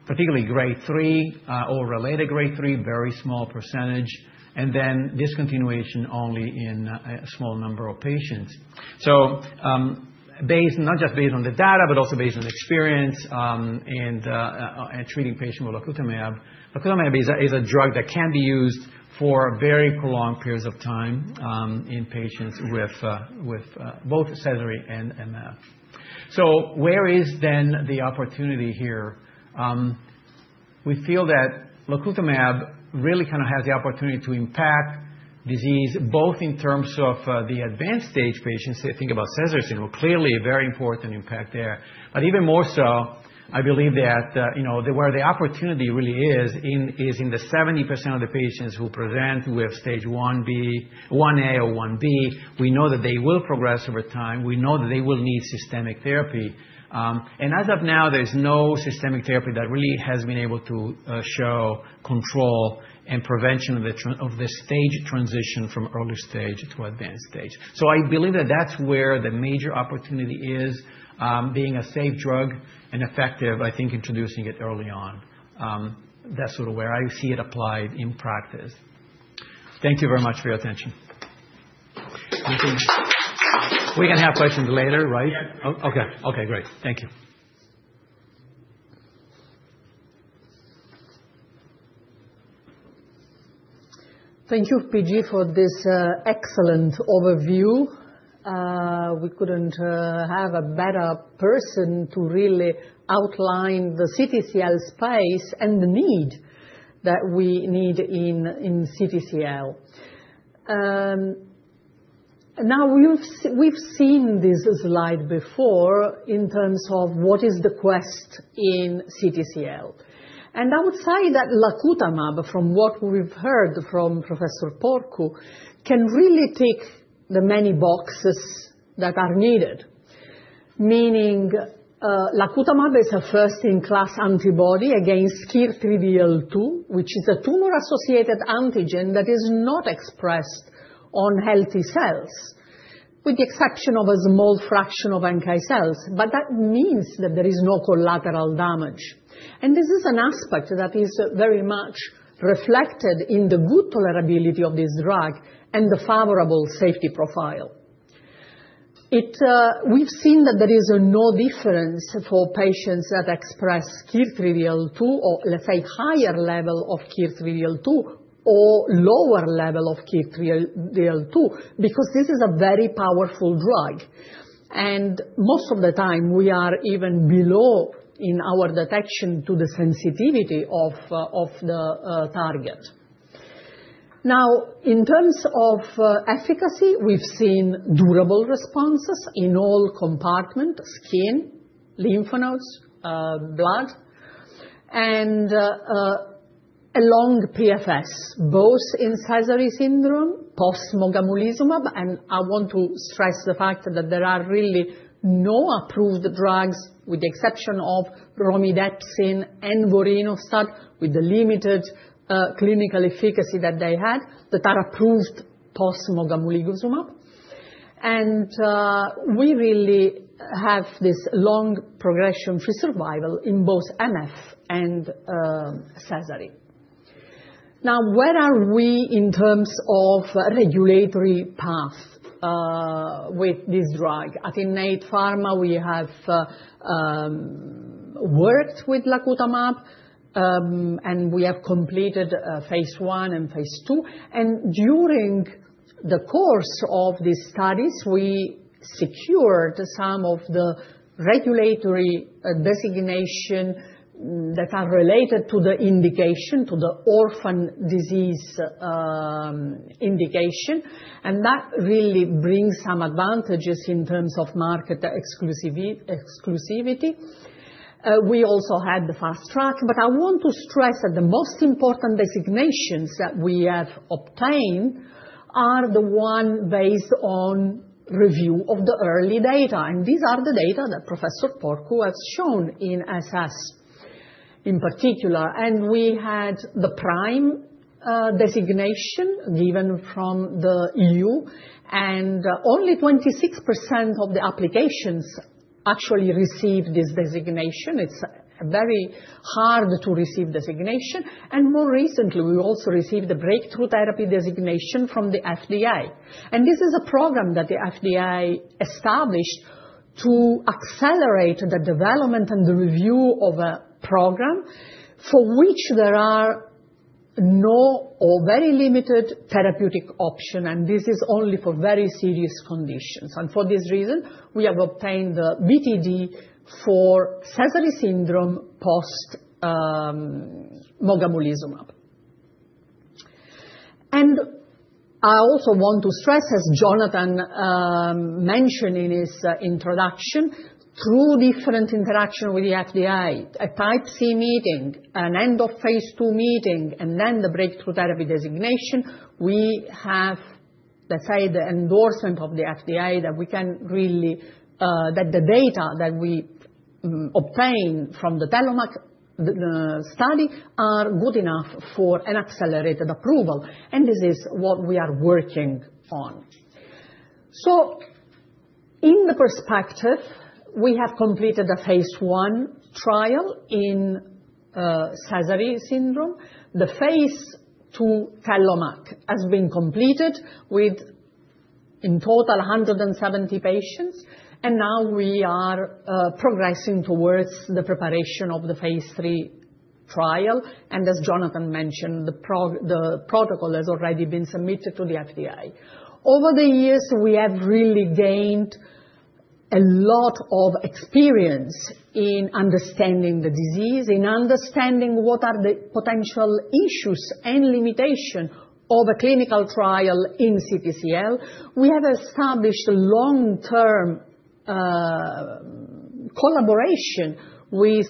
particularly grade 3 or related grade 3, very small percentage. And then discontinuation only in a small number of patients. So, not just based on the data, but also based on experience in treating patients with lacutamab. lacutamab is a drug that can be used for very prolonged periods of time in patients with both Sézary syndrome and MF. So, where is then the opportunity here? We feel that lacutamab really kind of has the opportunity to impact disease, both in terms of the advanced stage patients. If you think about Sézary syndrome, clearly a very important impact there. But even more so, I believe that where the opportunity really is in the 70% of the patients who present with stage 1A or 1B, we know that they will progress over time. We know that they will need systemic therapy. And as of now, there's no systemic therapy that really has been able to show control and prevention of the stage transition from early stage to advanced stage. So, I believe that that's where the major opportunity is, being a safe drug and effective, I think, introducing it early on. That's sort of where I see it applied in practice. Thank you very much for your attention. We can have questions later, right? Okay. Okay. Great. Thank you. Thank you, PG, for this excellent overview. We couldn't have a better person to really outline the CTCL space and the need that we need in CTCL. Now, we've seen this slide before in terms of what is the quest in CTCL. And I would say that lacutamab, from what we've heard from Professor Porcu, can really tick the many boxes that are needed. Meaning, lacutamab is a first-in-class antibody against KIR3DL2, which is a tumor-associated antigen that is not expressed on healthy cells, with the exception of a small fraction of NK cells. But that means that there is no collateral damage. And this is an aspect that is very much reflected in the good tolerability of this drug and the favorable safety profile. We've seen that there is no difference for patients that express KIR3DL2 or, let's say, higher level of KIR3DL2 or lower level of KIR3DL2, because this is a very powerful drug. And most of the time, we are even below in our detection to the sensitivity of the target. Now, in terms of efficacy, we've seen durable responses in all compartments: skin, lymph nodes, blood, and a long PFS, both in Sézary syndrome, post-mogamulizumab. And I want to stress the fact that there are really no approved drugs, with the exception of romidepsin and Vorinostat, with the limited clinical efficacy that they had, that are approved post-mogamulizumab. And we really have this long progression-free survival in both MF and Sézary. Now, where are we in terms of regulatory path with this drug? At Innate Pharma, we have worked with lacutamab, and we have completed Phase I and Phase II. And during the course of these studies, we secured some of the regulatory designations that are related to the indication, to the orphan disease indication. And that really brings some advantages in terms of market exclusivity. We also had the fast track. But I want to stress that the most important designations that we have obtained are the one based on review of the early data. And these are the data that Professor Porcu has shown in SS, in particular. And we had the PRIME designation given from the EU. And only 26% of the applications actually received this designation. It's very hard to receive designation. And more recently, we also received the Breakthrough Therapy Designation from the FDA. This is a program that the FDA established to accelerate the development and the review of a program for which there are no or very limited therapeutic options. This is only for very serious conditions. For this reason, we have obtained the BTD for Sézary syndrome post-mogamulizumab. I also want to stress, as Jonathan mentioned in his introduction, through different interactions with the FDA, a Type C meeting, an end-of-Phase II meeting, and then the breakthrough therapy designation, we have, let's say, the endorsement of the FDA that we can really that the data that we obtain from the TELLOMAK study are good enough for an accelerated approval. This is what we are working on. In perspective, we have completed a phase I trial in Sézary syndrome. The Phase II TELLOMAK has been completed with, in total, 170 patients. Now we are progressing towards the preparation of the Phase III trial. As Jonathan mentioned, the protocol has already been submitted to the FDA. Over the years, we have really gained a lot of experience in understanding the disease, in understanding what are the potential issues and limitations of a clinical trial in CTCL. We have established a long-term collaboration with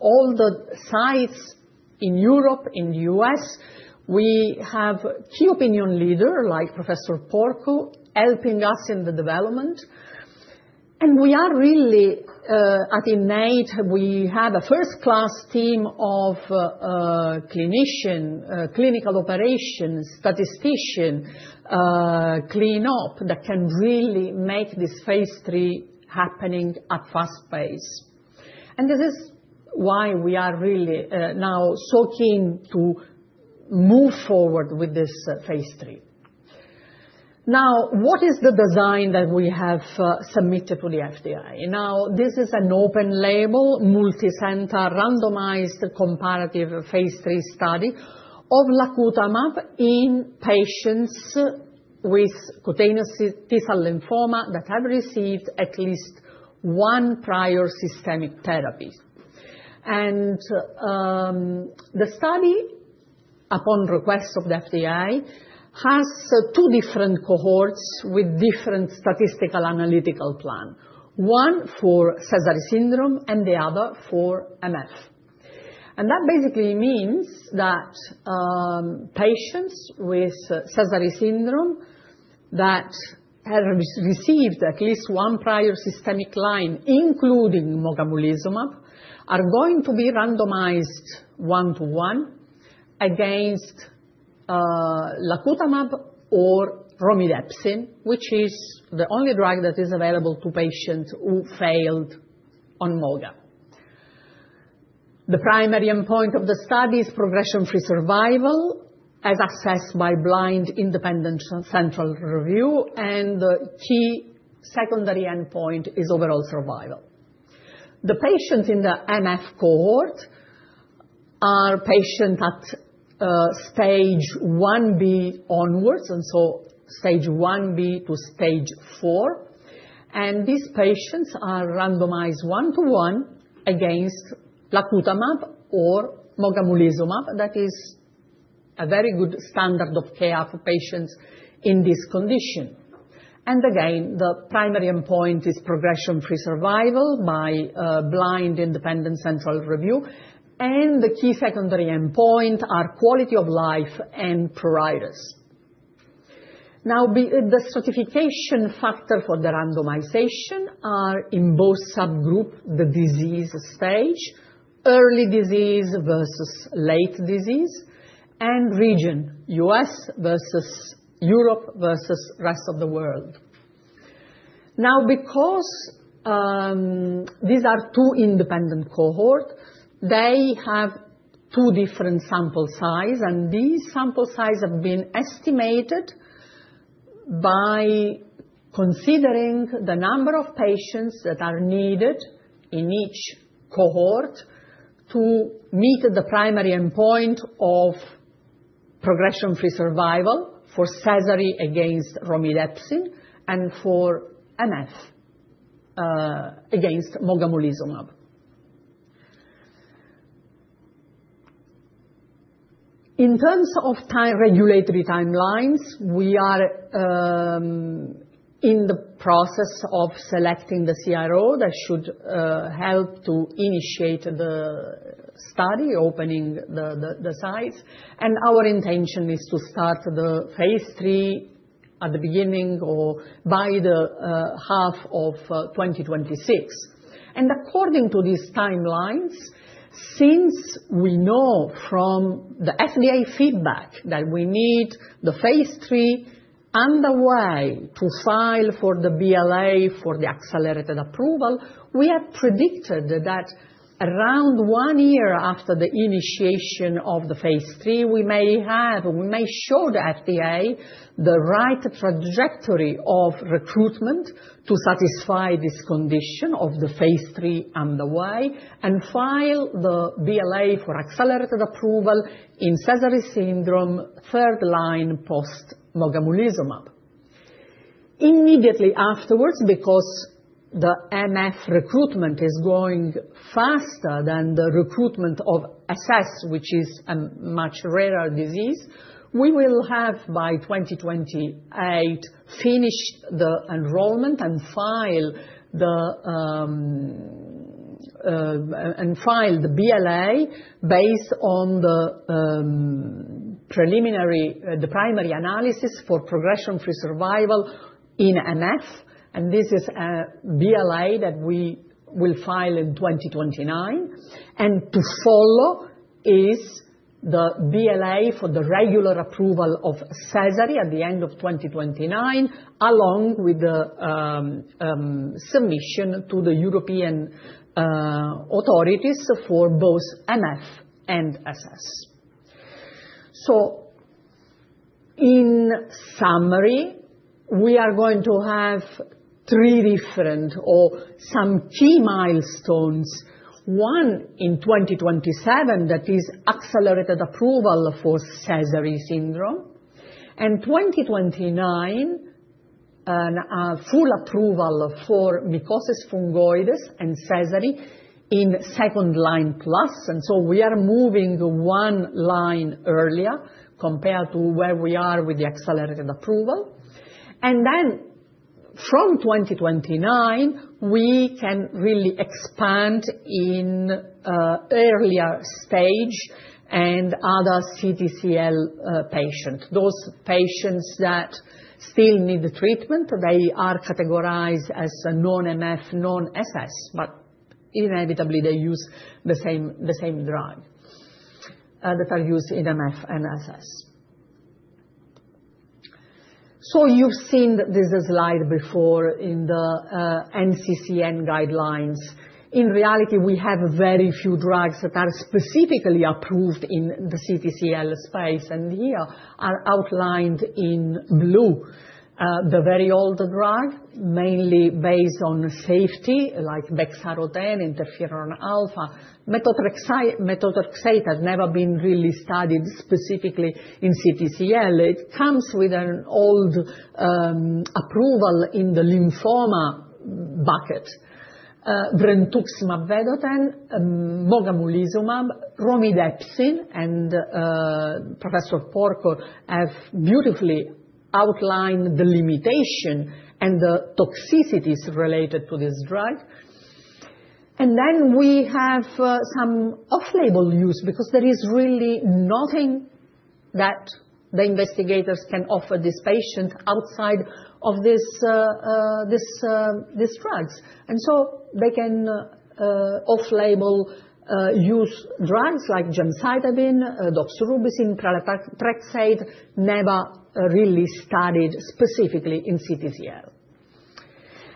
all the sites in Europe, in the U.S. We have key opinion leaders like Professor Porcu helping us in the development. We are really, at Innate, we have a first-class team of clinicians, clinical operations, statisticians, clinops that can really make this Phase III happening at fast pace. This is why we are really now so keen to move forward with this Phase III. Now, what is the design that we have submitted to the FDA? Now, this is an open-label, multicenter, randomized comparative Phase III study of lacutamab in patients with cutaneous T-cell lymphoma that have received at least one prior systemic therapy, and the study, upon request of the FDA, has two different cohorts with different statistical analytical plans, one for Sézary syndrome and the other for MF, and that basically means that patients with Sézary syndrome that have received at least one prior systemic line, including mogamulizumab, are going to be randomized one-to-one against lacutamab or romidepsin, which is the only drug that is available to patients who failed on moga. The primary endpoint of the study is progression-free survival as assessed by blind independent central review, and the key secondary endpoint is overall survival. The patients in the MF cohort are patients at stage 1B onwards, and so stage 1B to stage IV. And these patients are randomized one-to-one against lacutamab or mogamulizumab, that is a very good standard of care for patients in this condition. And again, the primary endpoint is progression-free survival by blind independent central review. And the key secondary endpoint are quality of life and pruritus. Now, the stratification factors for the randomization are in both subgroups: the disease stage, early disease versus late disease, and region, U.S. versus Europe versus rest of the world. Now, because these are two independent cohorts, they have two different sample sizes. And these sample sizes have been estimated by considering the number of patients that are needed in each cohort to meet the primary endpoint of progression-free survival for Sézary against romidepsin and for MF against mogamulizumab. In terms of regulatory timelines, we are in the process of selecting the CRO that should help to initiate the study, opening the sites. And our intention is to start the Phase III at the beginning or by the first half of 2026. And according to these timelines, since we know from the FDA feedback that we need the Phase III underway to file for the BLA for the accelerated approval, we have predicted that around one year after the initiation of the Phase III, we may show the FDA the right trajectory of recruitment to satisfy this condition of the Phase III underway and file the BLA for accelerated approval in Sézary syndrome, third line post-mogamulizumab. Immediately afterwards, because the MF recruitment is going faster than the recruitment of SS, which is a much rarer disease, we will have by 2028 finished the enrollment and filed the BLA based on the primary analysis for progression-free survival in MF. And this is a BLA that we will file in 2029. And to follow is the BLA for the regular approval of Sézary at the end of 2029, along with the submission to the European authorities for both MF and SS. So, in summary, we are going to have three different or some key milestones. One, in 2027, that is accelerated approval for Sézary syndrome. And 2029, a full approval for Mycosis fungoides and Sézary in second line plus. And so we are moving one line earlier compared to where we are with the accelerated approval. And then, from 2029, we can really expand in earlier stage and other CTCL patients. Those patients that still need treatment, they are categorized as non-MF, non-SS, but inevitably, they use the same drug that is used in MF and SS. So, you've seen this slide before in the NCCN guidelines. In reality, we have very few drugs that are specifically approved in the CTCL space. And here are outlined in blue the very old drug, mainly based on safety, like bexarotene, interferon alpha. Methotrexate has never been really studied specifically in CTCL. It comes with an old approval in the lymphoma bucket: brentuximab vedotin, mogamulizumab, romidepsin. And Professor Porcu has beautifully outlined the limitation and the toxicities related to this drug. And then we have some off-label use, because there is really nothing that the investigators can offer this patient outside of these drugs. And so they can off-label use drugs like gemcitabine, doxorubicin, pralatrexate, never really studied specifically in CTCL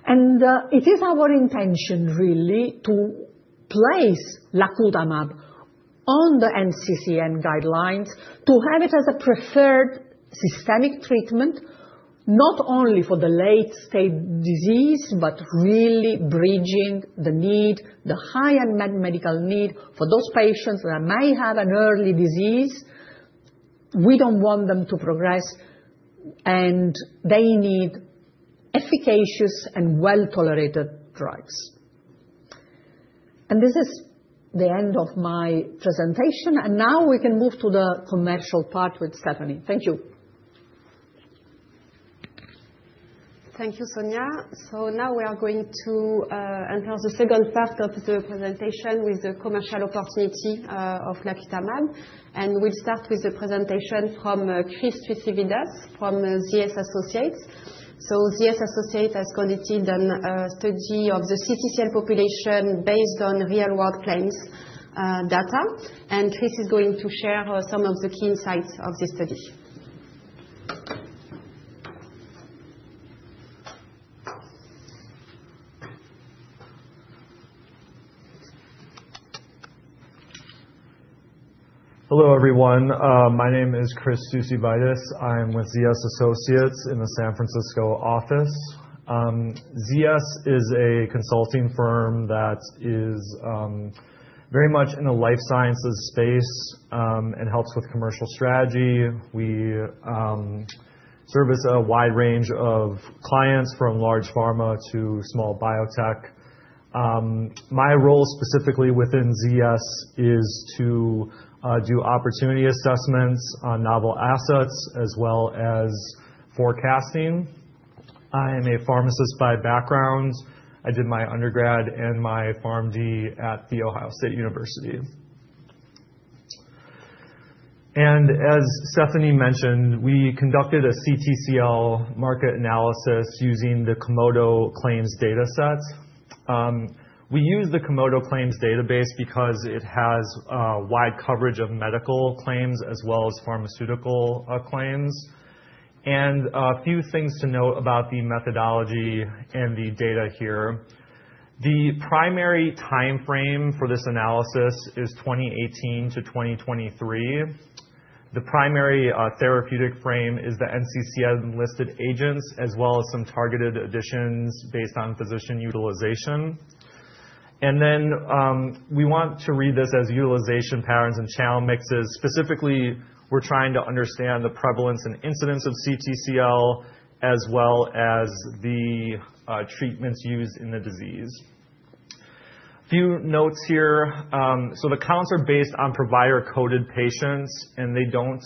And it is our intention, really, to place lacutamab on the NCCN guidelines, to have it as a preferred systemic treatment, not only for the late-stage disease, but really bridging the need, the high-end medical need for those patients that may have an early disease. We don't want them to progress, and they need efficacious and well-tolerated drugs. And this is the end of my presentation. And now we can move to the commercial part with Stéphanie. Thank you. Thank you, Sonia. So now we are going to enter the second part of the presentation with the commercial opportunity of lacutamab. And we'll start with the presentation from Chris Stuessy-Vidas from ZS Associates. So ZS Associates has conducted a study of the CTCL population based on real-world claims data. And Chris is going to share some of the key insights of this study. Hello, everyone. My name is Chris Stuessy-Vidas. I'm with ZS Associates in the San Francisco office. ZS is a consulting firm that is very much in the life sciences space and helps with commercial strategy. We service a wide range of clients, from large pharma to small biotech. My role specifically within ZS is to do opportunity assessments on novel assets, as well as forecasting. I am a pharmacist by background. I did my undergrad and my PharmD at the Ohio State University, and as Stéphanie mentioned, we conducted a CTCL market analysis using the Komodo Claims data set. We use the Komodo Claims database because it has wide coverage of medical claims as well as pharmaceutical claims, and a few things to note about the methodology and the data here. The primary time frame for this analysis is 2018-2023. The primary therapeutic frame is the NCCN listed agents, as well as some targeted additions based on physician utilization. And then we want to read this as utilization patterns and channel mixes. Specifically, we're trying to understand the prevalence and incidence of CTCL, as well as the treatments used in the disease. A few notes here. So the counts are based on provider-coded patients, and they don't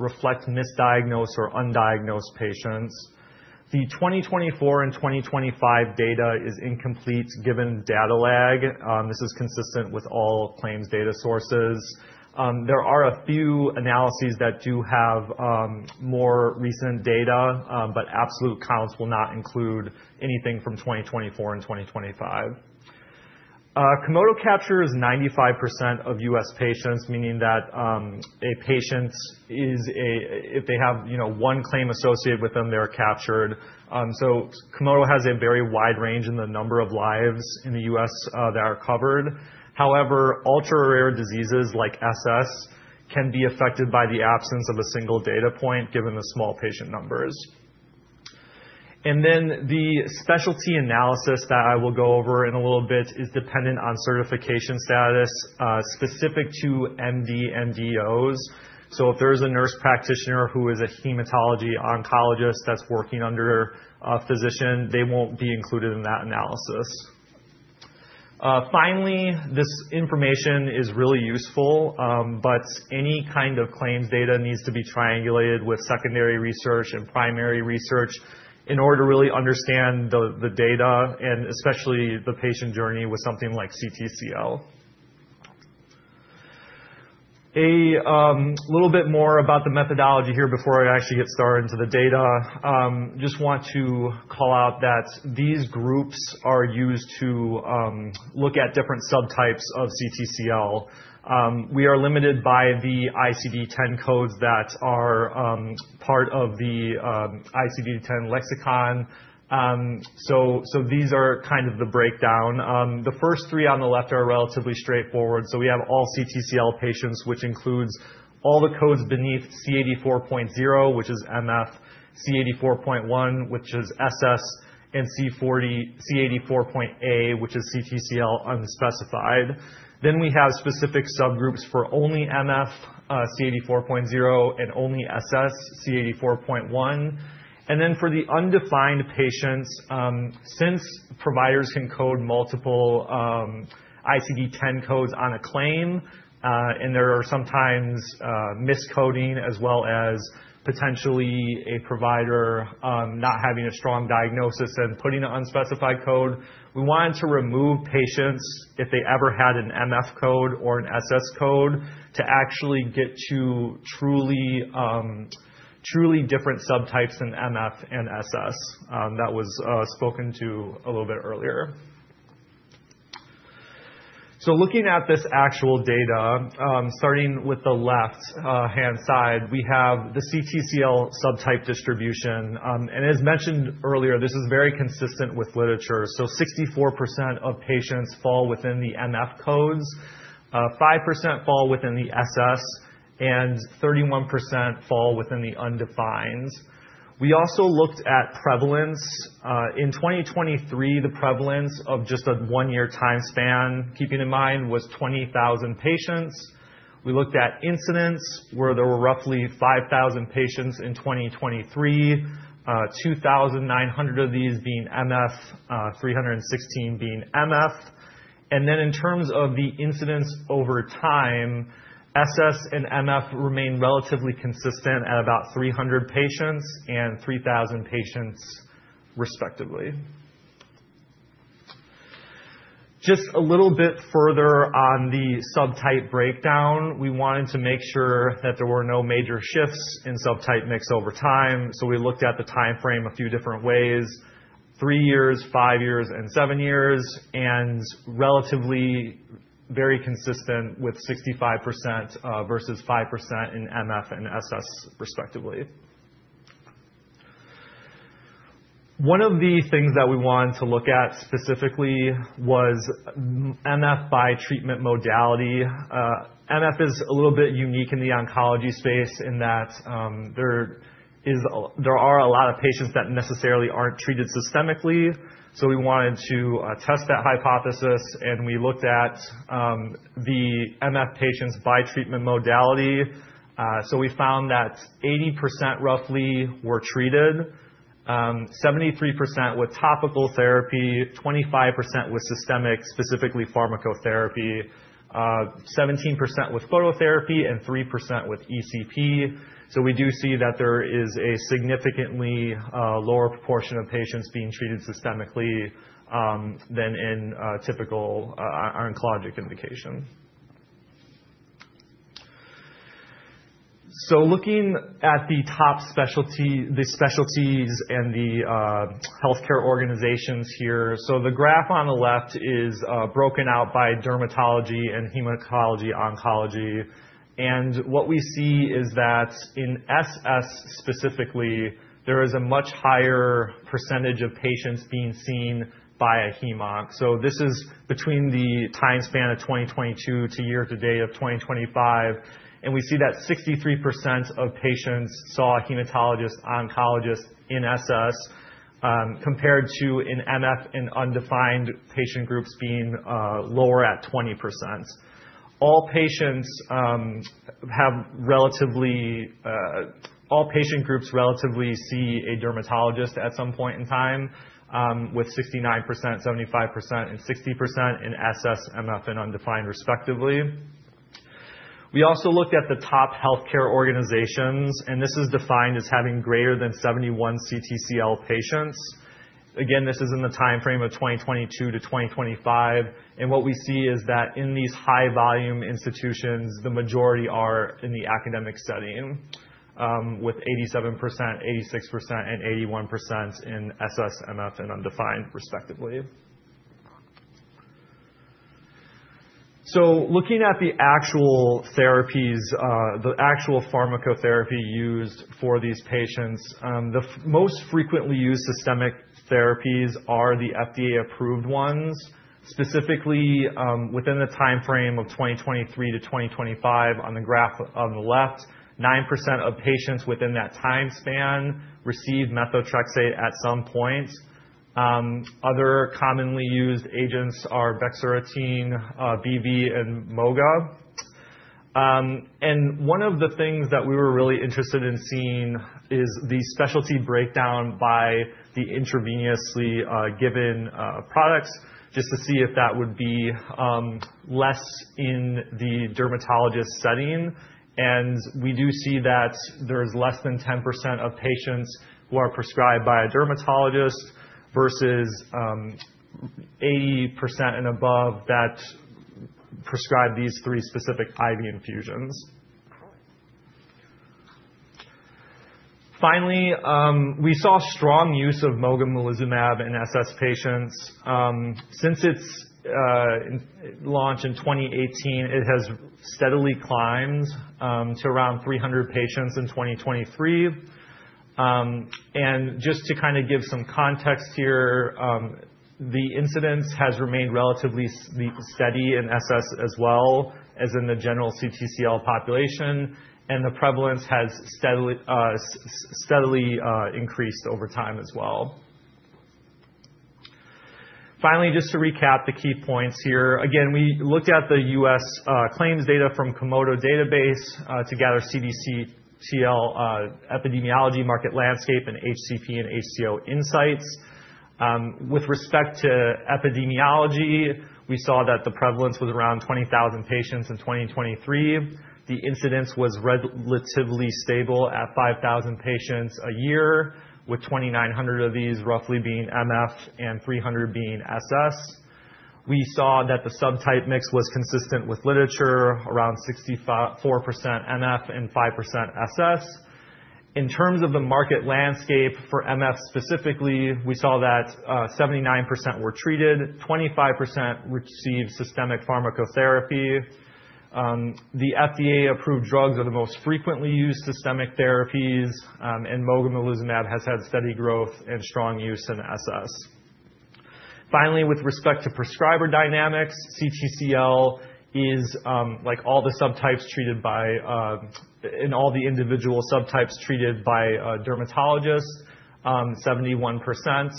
reflect misdiagnosed or undiagnosed patients. The 2024 and 2025 data is incomplete given data lag. This is consistent with all claims data sources. There are a few analyses that do have more recent data, but absolute counts will not include anything from 2024 and 2025. Komodo captures 95% of U.S. patients, meaning that a patient is, if they have one claim associated with them, they are captured. Komodo has a very wide range in the number of lives in the U.S. that are covered. However, ultra-rare diseases like SS can be affected by the absence of a single data point, given the small patient numbers. And then the specialty analysis that I will go over in a little bit is dependent on certification status specific to MD/MDOs. So if there is a nurse practitioner who is a hematology oncologist that's working under a physician, they won't be included in that analysis. Finally, this information is really useful, but any kind of claims data needs to be triangulated with secondary research and primary research in order to really understand the data, and especially the patient journey with something like CTCL. A little bit more about the methodology here before I actually get started into the data. I just want to call out that these groups are used to look at different subtypes of CTCL. We are limited by the ICD-10 codes that are part of the ICD-10 lexicon. So these are kind of the breakdown. The first three on the left are relatively straightforward. So we have all CTCL patients, which includes all the codes beneath C84.0, which is MF, C84.1, which is SS, and C84.A, which is CTCL unspecified. Then we have specific subgroups for only MF, C84.0, and only SS, C84.1. And then for the undefined patients, since providers can code multiple ICD-10 codes on a claim, and there are sometimes miscoding, as well as potentially a provider not having a strong diagnosis and putting an unspecified code, we wanted to remove patients if they ever had an MF code or an SS code to actually get to truly different subtypes in MF and SS that was spoken to a little bit earlier, so looking at this actual data, starting with the left-hand side, we have the CTCL subtype distribution, and as mentioned earlier, this is very consistent with literature, so 64% of patients fall within the MF codes, 5% fall within the SS, and 31% fall within the undefined. We also looked at prevalence. In 2023, the prevalence of just a one-year time span, keeping in mind, was 20,000 patients. We looked at incidence, where there were roughly 5,000 patients in 2023, 2,900 of these being MF, 316 being SS. And then in terms of the incidence over time, SS and MF remain relatively consistent at about 300 patients and 3,000 patients, respectively. Just a little bit further on the subtype breakdown, we wanted to make sure that there were no major shifts in subtype mix over time. So we looked at the time frame a few different ways: three years, five years, and seven years, and relatively very consistent with 65% versus 5% in MF and SS, respectively. One of the things that we wanted to look at specifically was MF by treatment modality. MF is a little bit unique in the oncology space in that there are a lot of patients that necessarily aren't treated systemically. So we wanted to test that hypothesis, and we looked at the MF patients by treatment modality. So we found that 80%, roughly, were treated, 73% with topical therapy, 25% with systemic, specifically pharmacotherapy, 17% with phototherapy, and 3% with ECP. So we do see that there is a significantly lower proportion of patients being treated systemically than in typical oncologic indication. So looking at the top specialties and the healthcare organizations here, so the graph on the left is broken out by dermatology and hematology/oncology. And what we see is that in SS specifically, there is a much higher percentage of patients being seen by a hem/onc. So this is between the time span of 2022 to year-to-date of 2025. And we see that 63% of patients saw a hematologist/oncologist in SS, compared to in MF and undefined patient groups being lower at 20%. All patient groups relatively see a dermatologist at some point in time, with 69%, 75%, and 60% in SS, MF, and undefined, respectively. We also looked at the top healthcare organizations, and this is defined as having greater than 71 CTCL patients. Again, this is in the time frame of 2022 to 2025, and what we see is that in these high-volume institutions, the majority are in the academic setting, with 87%, 86%, and 81% in SS, MF, and undefined, respectively, so looking at the actual therapies, the actual pharmacotherapy used for these patients, the most frequently used systemic therapies are the FDA-approved ones. Specifically, within the time frame of 2023-2025, on the graph on the left, 9% of patients within that time span receive methotrexate at some point. Other commonly used agents are Bexarotene, BV, and moga. One of the things that we were really interested in seeing is the specialty breakdown by the intravenously given products, just to see if that would be less in the dermatologist setting. We do see that there is less than 10% of patients who are prescribed by a dermatologist versus 80% and above that prescribe these three specific IV infusions. Finally, we saw strong use of mogamulizumab in SS patients. Since its launch in 2018, it has steadily climbed to around 300 patients in 2023. Just to kind of give some context here, the incidence has remained relatively steady in SS as well as in the general CTCL population. The prevalence has steadily increased over time as well. Finally, just to recap the key points here. Again, we looked at the U.S. claims data from Komodo Health to gather CTCL epidemiology, market landscape, and HCP and HCO insights. With respect to epidemiology, we saw that the prevalence was around 20,000 patients in 2023. The incidence was relatively stable at 5,000 patients a year, with 2,900 of these roughly being MF and 300 being SS. We saw that the subtype mix was consistent with literature, around 64% MF and 5% SS. In terms of the market landscape for MF specifically, we saw that 79% were treated, 25% received systemic pharmacotherapy. The FDA-approved drugs are the most frequently used systemic therapies, and mogamulizumab has had steady growth and strong use in SS. Finally, with respect to prescriber dynamics, CTCL is like all the subtypes treated by dermatologists 71%.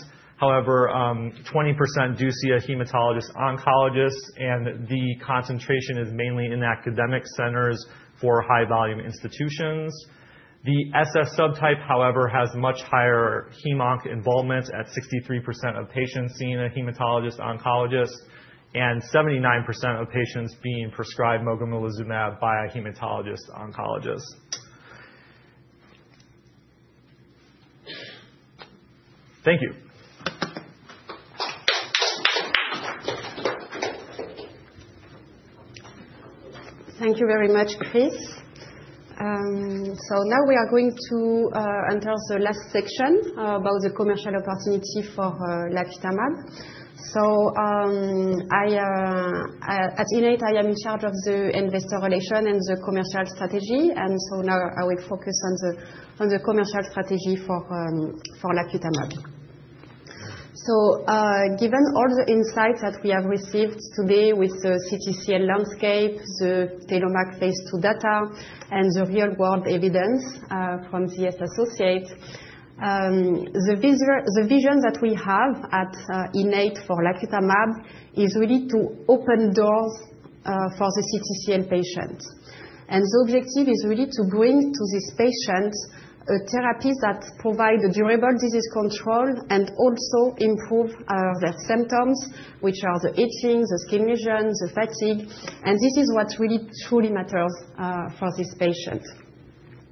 However, 20% do see a hematologist/oncologist, and the concentration is mainly in academic centers for high-volume institutions. The SS subtype, however, has much higher hem/onc involvement at 63% of patients seeing a hematologist/oncologist and 79% of patients being prescribed mogamulizumab by a hematologist/oncologist. Thank you. Thank you very much, Chris. So now we are going to enter the last section about the commercial opportunity for lacutamab. So at Innate, I am in charge of the investor relation and the commercial strategy. And so now I will focus on the commercial strategy for lacutamab. So given all the insights that we have received today with the CTCL landscape, the TELLOMAK Phase II data, and the real-world evidence from ZS Associates, the vision that we have at Innate for lacutamab is really to open doors for the CTCL patients. And the objective is really to bring to these patients therapies that provide durable disease control and also improve their symptoms, which are the itching, the skin lesions, the fatigue. And this is what really truly matters for these patients.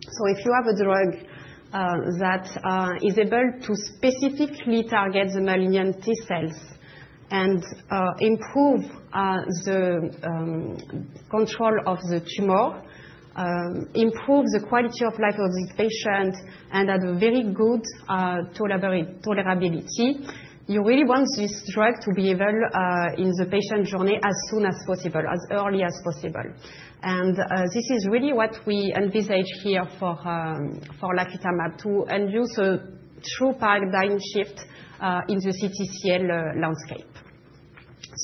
So if you have a drug that is able to specifically target the malignant T cells and improve the control of the tumor, improve the quality of life of these patients, and have very good tolerability, you really want this drug to be available in the patient journey as soon as possible, as early as possible. And this is really what we envisage here for lacutamab to induce a true paradigm shift in the CTCL landscape.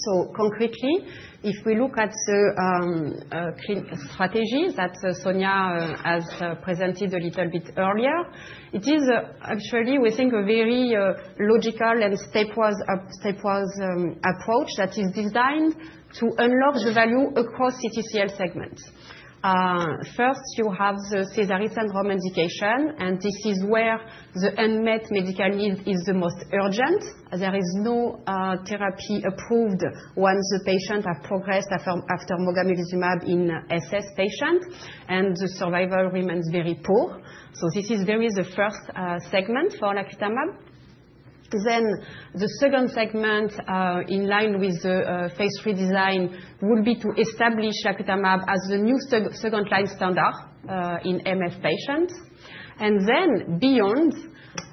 So concretely, if we look at the strategy that Sonia has presented a little bit earlier, it is actually, we think, a very logical and stepwise approach that is designed to unlock the value across CTCL segments. First, you have the Sézary syndrome indication, and this is where the unmet medical need is the most urgent. There is no therapy approved once the patient has progressed after mogamulizumab in SS patients, and the survival remains very poor, so this is the very first segment for lacutamab, then the second segment, in line with the Phase III design, would be to establish lacutamab as the new second-line standard in MF patients, and then beyond,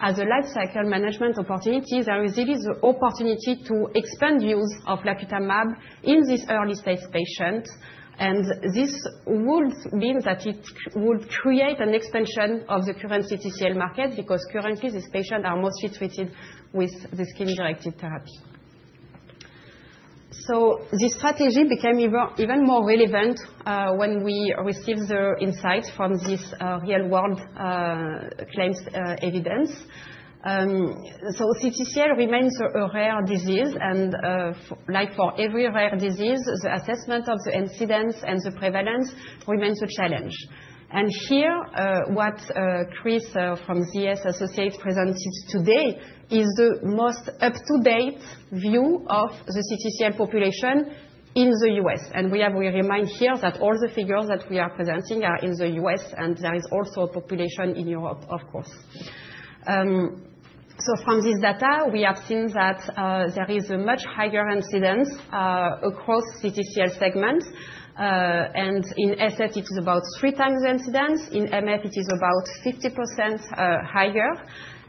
as a lifecycle management opportunity, there is really the opportunity to expand use of lacutamab in these early-stage patients, and this would mean that it would create an expansion of the current CTCL market because currently these patients are mostly treated with the skin-directed therapy, so this strategy became even more relevant when we received the insights from this real-world claims evidence, so CTCL remains a rare disease, and like for every rare disease, the assessment of the incidence and the prevalence remains a challenge. And here, what Chris from ZS Associates presented today is the most up-to-date view of the CTCL population in the U.S. And we have a reminder here that all the figures that we are presenting are in the U.S., and there is also a population in Europe, of course. So from this data, we have seen that there is a much higher incidence across CTCL segments. And in SS, it is about three times the incidence. In MF, it is about 50% higher.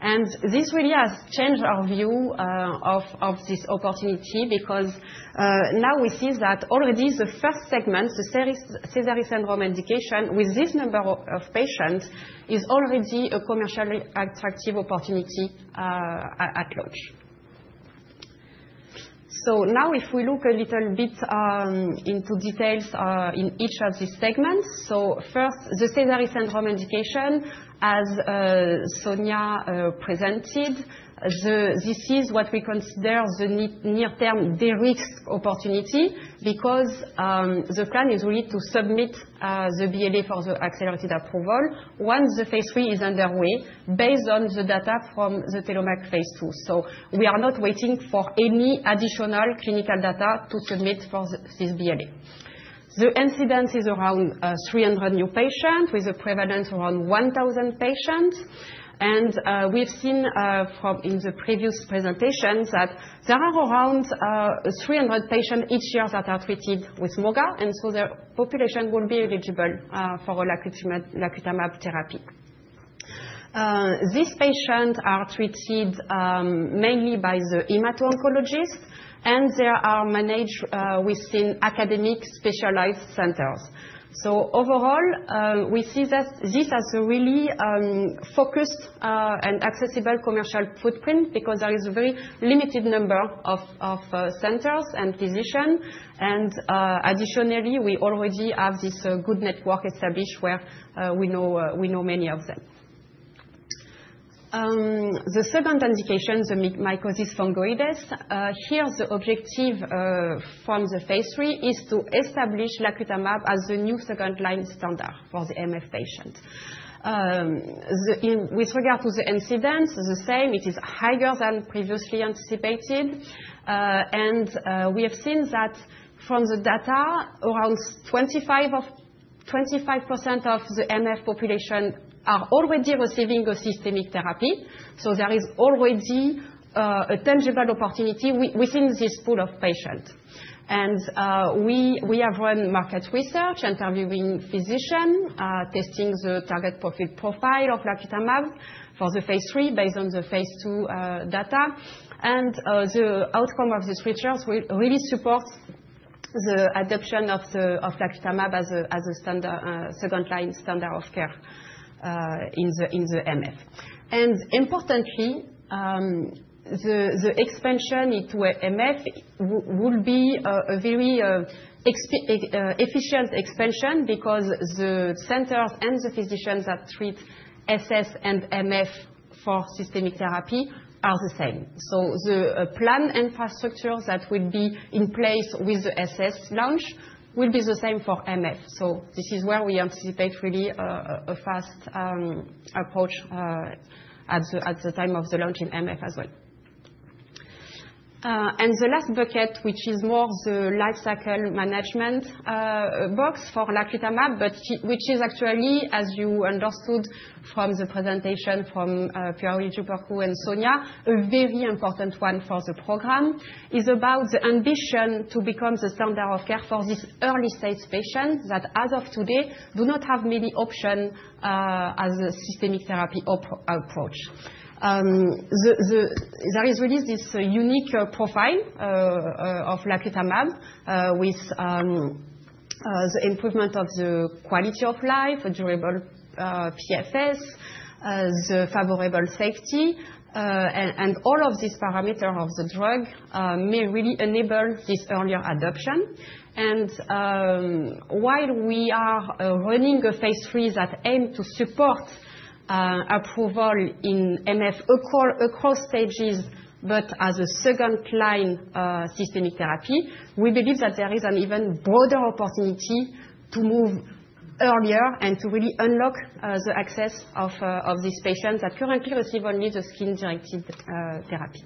And this really has changed our view of this opportunity because now we see that already the first segment, the Sézary syndrome indication, with this number of patients, is already a commercially attractive opportunity at launch. So now if we look a little bit into details in each of these segments, so first, the Sézary syndrome indication, as Sonia presented, this is what we consider the near-term de-risk opportunity because the plan is really to submit the BLA for the accelerated approval once the Phase III is underway based on the data from the TELLOMAK Phase II, so we are not waiting for any additional clinical data to submit for this BLA. The incidence is around 300 new patients with a prevalence around 1,000 patients, and we've seen in the previous presentations that there are around 300 patients each year that are treated with moga, and so the population will be eligible for a lacutamab therapy. These patients are treated mainly by the hematologist/oncologist, and they are managed within academic specialized centers. So overall, we see this as a really focused and accessible commercial footprint because there is a very limited number of centers and physicians. And additionally, we already have this good network established where we know many of them. The second indication, the mycosis fungoides, here the objective from the Phase III is to establish lacutamab as a new second-line standard for the MF patients. With regard to the incidence, the same. It is higher than previously anticipated. And we have seen that from the data, around 25% of the MF population are already receiving a systemic therapy. So there is already a tangible opportunity within this pool of patients. And we have run market research, interviewing physicians, testing the target profile of lacutamab for the Phase III based on the Phase II data. And the outcome of these researches really supports the adoption of lacutamab as a second-line standard of care in the MF. And importantly, the expansion into MF will be a very efficient expansion because the centers and the physicians that treat SS and MF for systemic therapy are the same. So the planned infrastructure that will be in place with the SS launch will be the same for MF. So this is where we anticipate really a fast approach at the time of the launch in MF as well. And the last bucket, which is more the lifecycle management box for lacutamab, but which is actually, as you understood from the presentation from Pierluigi Porcu and Sonia Quaratino, a very important one for the program, is about the ambition to become the standard of care for these early-stage patients that as of today do not have many options as a systemic therapy approach. There is really this unique profile of lacutamab with the improvement of the quality of life, durable PFS, the favorable safety, and all of these parameters of the drug may really enable this earlier adoption. And while we are running a Phase III that aims to support approval in MF across stages, but as a second-line systemic therapy, we believe that there is an even broader opportunity to move earlier and to really unlock the access of these patients that currently receive only the skin-directed therapy.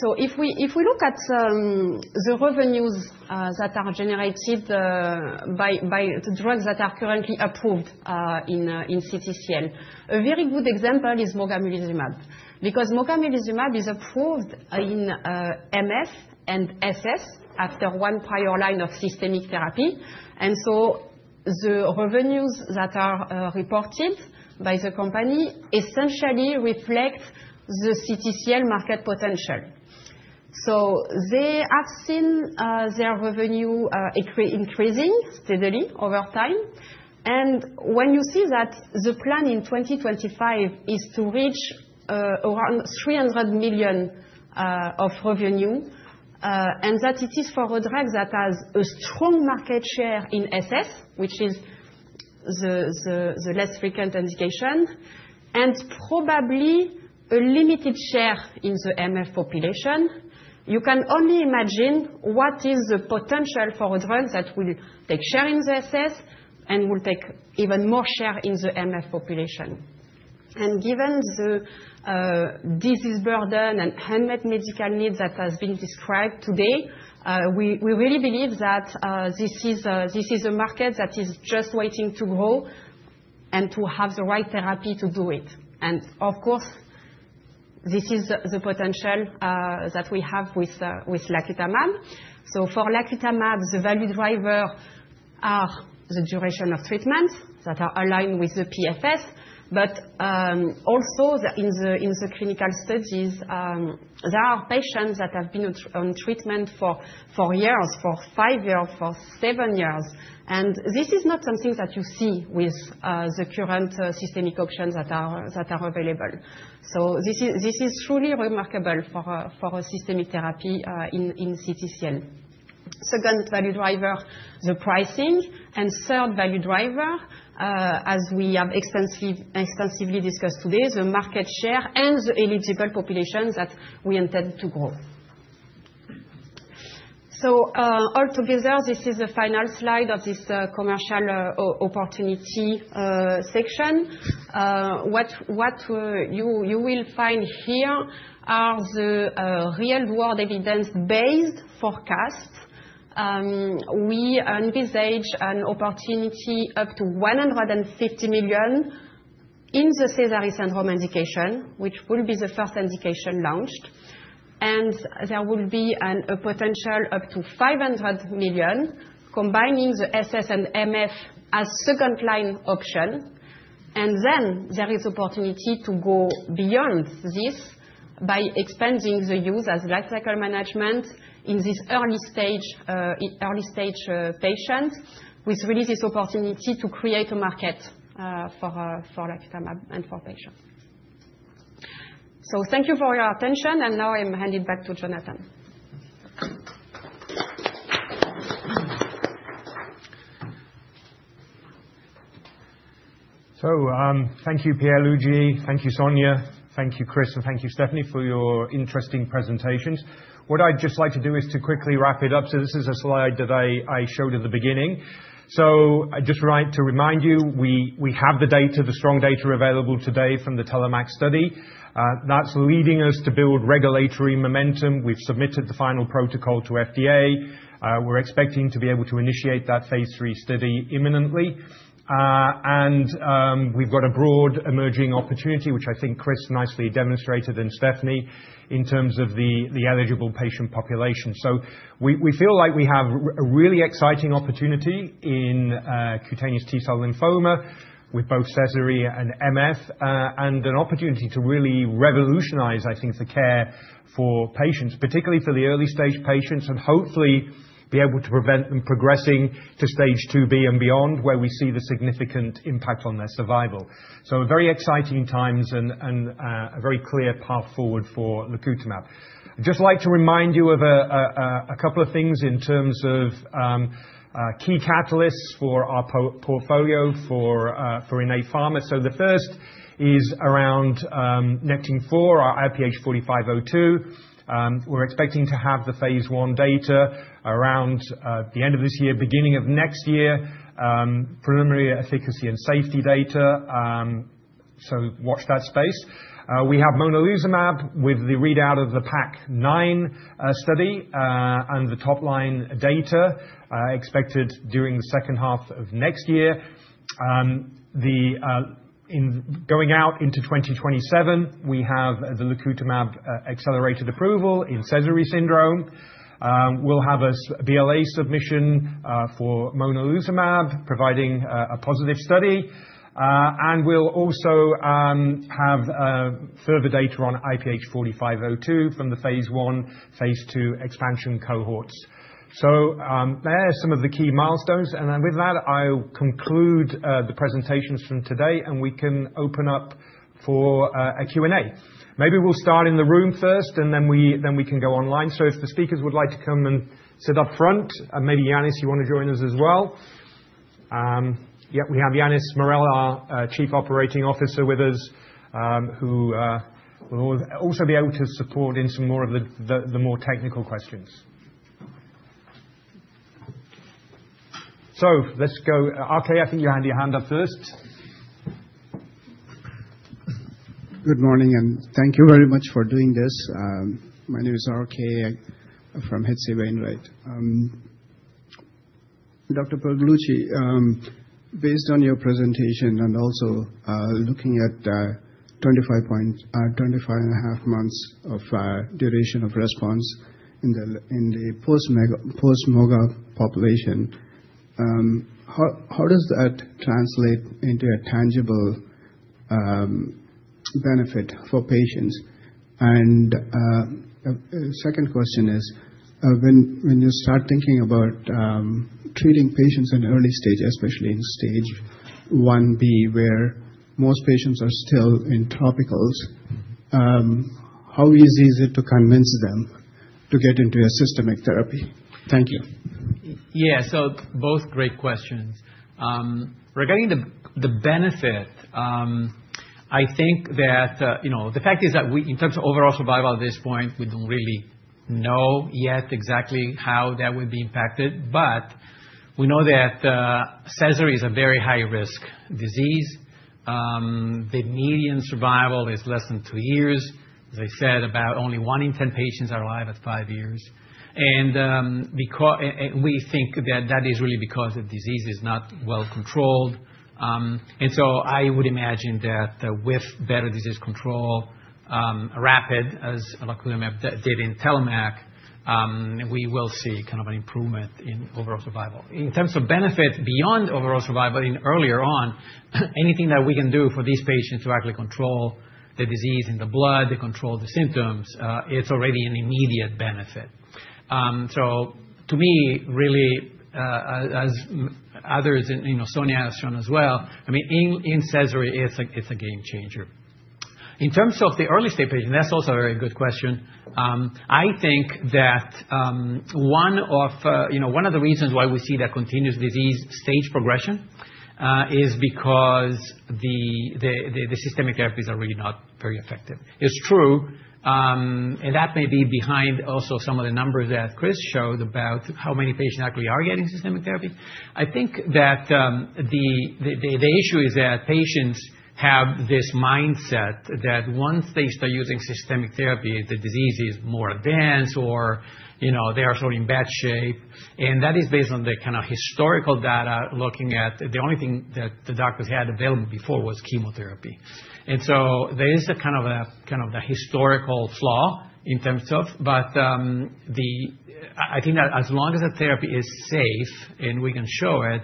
So if we look at the revenues that are generated by the drugs that are currently approved in CTCL, a very good example is mogamulizumab because mogamulizumab is approved in MF and SS after one prior line of systemic therapy. And so the revenues that are reported by the company essentially reflect the CTCL market potential. So they have seen their revenue increasing steadily over time. And when you see that the plan in 2025 is to reach around $300 million of revenue and that it is for a drug that has a strong market share in SS, which is the less frequent indication, and probably a limited share in the MF population, you can only imagine what is the potential for a drug that will take share in the SS and will take even more share in the MF population. And given the disease burden and unmet medical needs that have been described today, we really believe that this is a market that is just waiting to grow and to have the right therapy to do it. And of course, this is the potential that we have with lacutamab. So for lacutamab, the value driver is the duration of treatment that is aligned with the PFS, but also in the clinical studies, there are patients that have been on treatment for years, for five years, for seven years. And this is not something that you see with the current systemic options that are available. So this is truly remarkable for a systemic therapy in CTCL. Second value driver, the pricing. And third value driver, as we have extensively discussed today, the market share and the eligible populations that we intend to grow. So altogether, this is the final slide of this commercial opportunity section. What you will find here are the real-world evidence-based forecasts. We envisage an opportunity up to $150 million in the Sézary syndrome indication, which will be the first indication launched. And there will be a potential up to $500 million combining the SS and MF as second-line option. And then there is opportunity to go beyond this by expanding the use as lifecycle management in these early-stage patients, with really this opportunity to create a market for lacutamab and for patients. So thank you for your attention. And now I'm handing back to Jonathan. So thank you, Pierluigi Porcu. Thank you, Sonia. Thank you, Chris, and thank you, Stéphanie, for your interesting presentations. What I'd just like to do is to quickly wrap it up. So this is a slide that I showed at the beginning. So just to remind you, we have the data, the strong data available today from the TELLOMAK study. That's leading us to build regulatory momentum. We've submitted the final protocol to FDA. We're expecting to be able to initiate that Phase III study imminently. And we've got a broad emerging opportunity, which I think Chris nicely demonstrated and Stéphanie in terms of the eligible patient population. So we feel like we have a really exciting opportunity in cutaneous T-cell lymphoma with both Sézary and MF and an opportunity to really revolutionize, I think, the care for patients, particularly for the early-stage patients, and hopefully be able to prevent them progressing to stage IIB and beyond, where we see the significant impact on their survival. So very exciting times and a very clear path forward for lacutamab. I'd just like to remind you of a couple of things in terms of key catalysts for our portfolio for Innate Pharma. So the first is around Nectin-4, our IPH4502. We're expecting to have the phase I data around the end of this year, beginning of next year, preliminary efficacy and safety data. So watch that space. We have monalizumab with the readout of the PAC9 study and the top-line data expected during the second half of next year. Going out into 2027, we have the lacutamab accelerated approval in Sézary syndrome. We'll have a BLA submission for monalizumab providing a positive study. And we'll also have further data on IPH4502 from the Phase I/Phase II expansion cohorts. So there are some of the key milestones. And then with that, I'll conclude the presentations from today, and we can open up for a Q&A. Maybe we'll start in the room first, and then we can go online. So if the speakers would like to come and sit up front, maybe Yannis, you want to join us as well. Yep, we have Yannis Morel, Chief Operating Officer with us, who will also be able to support in some of the more technical questions. So let's go. RK, I think you have your hand up first. Good morning, and thank you very much for doing this. My name is RK from H.C. Wainwright. Dr. Pierluigi, based on your presentation and also looking at 25.5 months of duration of response in the post-moga population, how does that translate into a tangible benefit for patients? And second question is, when you start thinking about treating patients in early stage, especially in stage IB, where most patients are still in topicals, how easy is it to convince them to get into a systemic therapy? Thank you. Yeah, so both great questions. Regarding the benefit, I think that the fact is that in terms of overall survival at this point, we don't really know yet exactly how that would be impacted. But we know that Sézary syndrome is a very high-risk disease. The median survival is less than two years. As I said, about only one in ten patients are alive at five years. And we think that that is really because the disease is not well controlled. And so I would imagine that with better disease control, rapid, as Dr. Porcu did in TELLOMAK, we will see kind of an improvement in overall survival. In terms of benefit beyond overall survival earlier on, anything that we can do for these patients to actually control the disease in the blood, control the symptoms, it's already an immediate benefit. So to me, really, as others and Sonia has shown as well, I mean, in Sézary, it's a game changer. In terms of the early-stage patients, that's also a very good question. I think that one of the reasons why we see that continuous disease stage progression is because the systemic therapies are really not very effective. It's true, and that may be behind also some of the numbers that Chris showed about how many patients actually are getting systemic therapy. I think that the issue is that patients have this mindset that once they start using systemic therapy, the disease is more advanced or they are sort of in bad shape. And that is based on the kind of historical data looking at the only thing that the doctors had available before was chemotherapy. And so there is a kind of a historical flaw in terms of, but I think that as long as the therapy is safe and we can show it,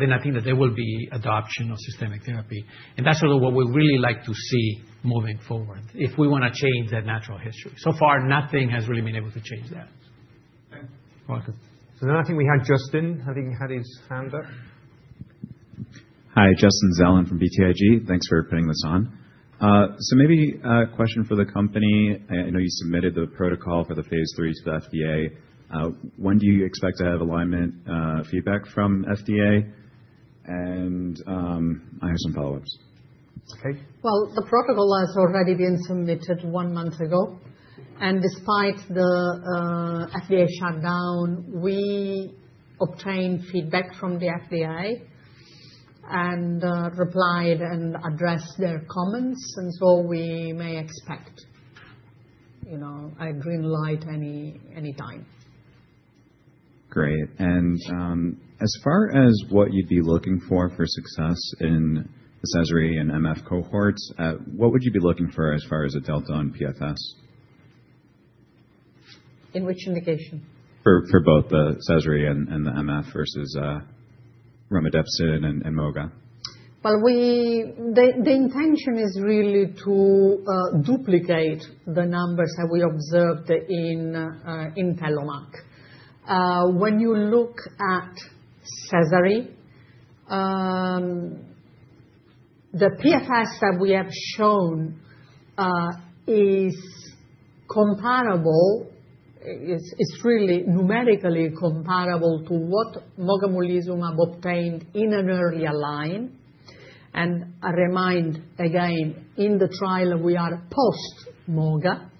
then I think that there will be adoption of systemic therapy. And that's sort of what we really like to see moving forward if we want to change that natural history. So far, nothing has really been able to change that. Thank you. So then I think we had Justin. I think he had his hand up. Hi, Justin Zelin from BTIG. Thanks for putting this on. So maybe a question for the company. I know you submitted the protocol for the Phase III to the FDA. When do you expect to have alignment feedback from FDA? And I have some follow-ups. Okay. Well, the protocol has already been submitted one month ago. And despite the FDA shutdown, we obtained feedback from the FDA and replied and addressed their comments. And so we may expect a green light any time. Great. And as far as what you'd be looking for for success in the Sézary and MF cohorts, what would you be looking for as far as a delta on PFS? In which indication? For both the Sézary and the MF versus romidepsin and moga. Well, the intention is really to duplicate the numbers that we observed in TELLOMAK. When you look at Sézary, the PFS that we have shown is comparable. It's really numerically comparable to what mogamulizumab obtained in an earlier line. And I remind again, in the trial, we are post-moga.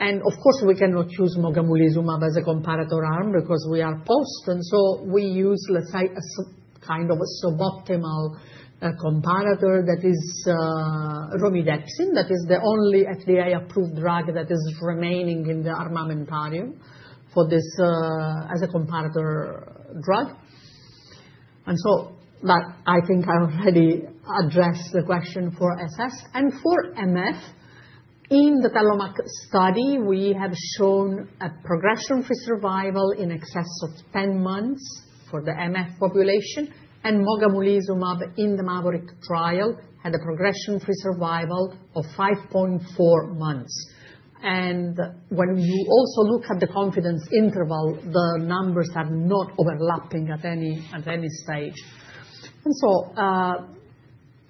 And of course, we cannot use mogamulizumab as a comparator arm because we are post. And so we use, let's say, a kind of suboptimal comparator that is romidepsin. That is the only FDA-approved drug that is remaining in the armamentarium as a comparator drug. And so that I think I already addressed the question for SS. And for MF, in the TELLOMAK study, we have shown a progression-free survival in excess of 10 months for the MF population. And mogamulizumab in the MAVORIC trial had a progression-free survival of 5.4 months. And when you also look at the confidence interval, the numbers are not overlapping at any stage. And so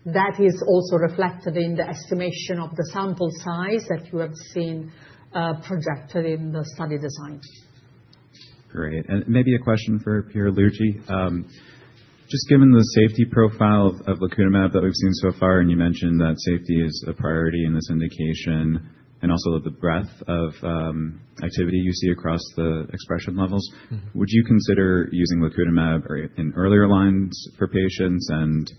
that is also reflected in the estimation of the sample size that you have seen projected in the study design. Great. And maybe a question for Pierluigi. Just given the safety profile of lacutamab that we've seen so far, and you mentioned that safety is a priority in this indication, and also the breadth of activity you see across the expression levels, would you consider using lacutamab in earlier lines for patients and,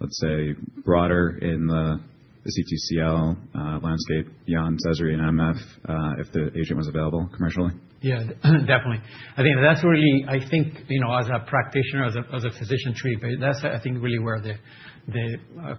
let's say, broader in the CTCL landscape beyond Sézary and MF if the agent was available commercially? Yeah, definitely. I think that's really, I think, as a practitioner, as a physician treating patients, that's, I think, really where the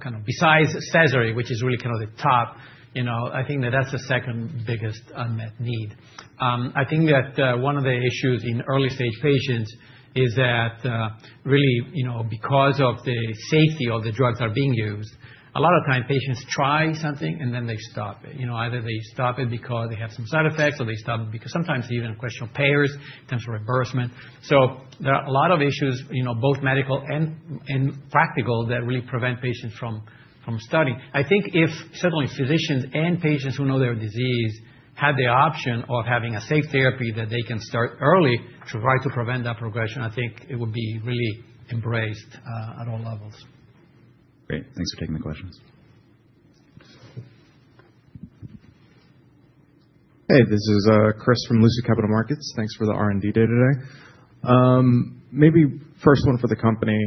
kind of besides Sézary, which is really kind of the top, I think that that's the second biggest unmet need. I think that one of the issues in early-stage patients is that really, because of the safety of the drugs that are being used, a lot of times patients try something and then they stop it. Either they stop it because they have some side effects, or they stop it because sometimes even questionable payers in terms of reimbursement. So there are a lot of issues, both medical and practical, that really prevent patients from starting. I think if certainly physicians and patients who know their disease have the option of having a safe therapy that they can start early to try to prevent that progression, I think it would be really embraced at all levels. Great. Thanks for taking the questions. Hey, this is Chris from LifeSci Capital Markets. Thanks for the R&D day today. Maybe first one for the company.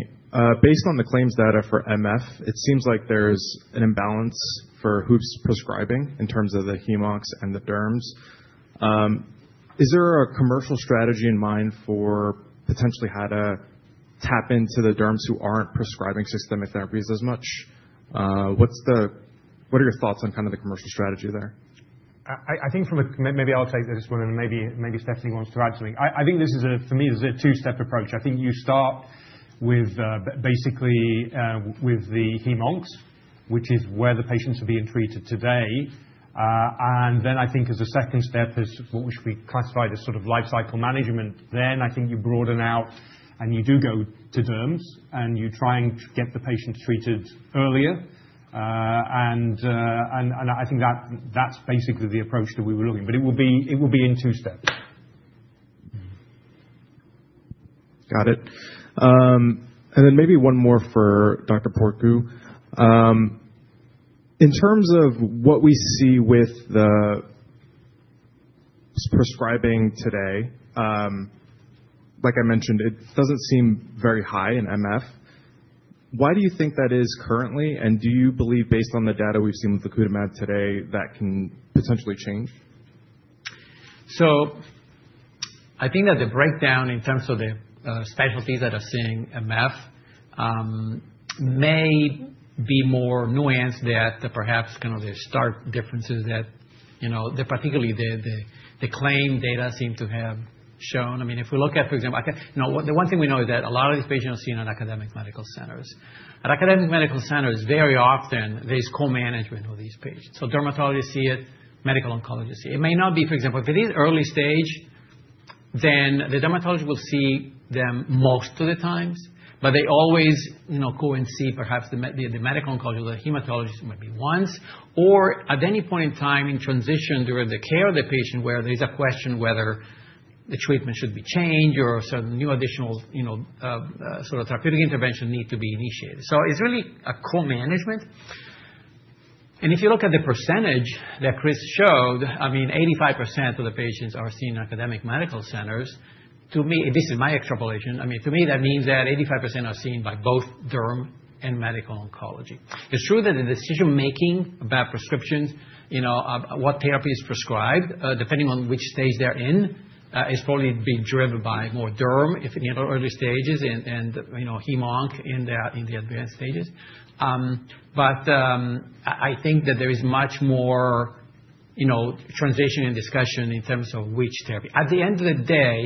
Based on the claims data for MF, it seems like there's an imbalance for who's prescribing in terms of the hem/oncs and the derms. Is there a commercial strategy in mind for potentially how to tap into the Derms who aren't prescribing systemic therapies as much? What are your thoughts on kind of the commercial strategy there? I think from a, maybe I'll take this one, and maybe Stéphanie wants to add something. I think this is a, for me, this is a two-step approach. I think you start with basically the hem/onc, which is where the patients are being treated today. And then I think as a second step is what we classify as sort of lifecycle management. Then I think you broaden out, and you do go to Derms, and you try and get the patients treated earlier. And I think that's basically the approach that we were looking but it will be in two steps. Got it. And then maybe one more for Dr. Porcu. In terms of what we see with the prescribing today, like I mentioned, it doesn't seem very high in MF. Why do you think that is currently? And do you believe, based on the data we've seen with lacutamab today, that can potentially change? I think that the breakdown in terms of the specialties that are seeing MF may be more nuanced than perhaps kind of the stark differences that particularly the claims data seem to have shown. I mean, if we look at, for example, the one thing we know is that a lot of these patients are seen at academic medical centers. At academic medical centers, very often, there's co-management of these patients. So dermatologists see it, medical oncologists see it. It may not be, for example, if it is early stage, then the dermatologist will see them most of the times, but they always go and see perhaps the medical oncologist or the hematologist maybe once. Or at any point in time in transition during the care of the patient where there is a question whether the treatment should be changed or certain new additional sort of therapeutic intervention need to be initiated. So it's really a co-management. And if you look at the percentage that Chris showed, I mean, 85% of the patients are seen in academic medical centers. To me, this is my extrapolation. I mean, to me, that means that 85% are seen by both Derm and medical oncology. It's true that the decision-making about prescriptions, what therapy is prescribed, depending on which stage they're in, is probably being driven by more Derm in the early stages and Hem/Onc in the advanced stages, but I think that there is much more transition and discussion in terms of which therapy. At the end of the day,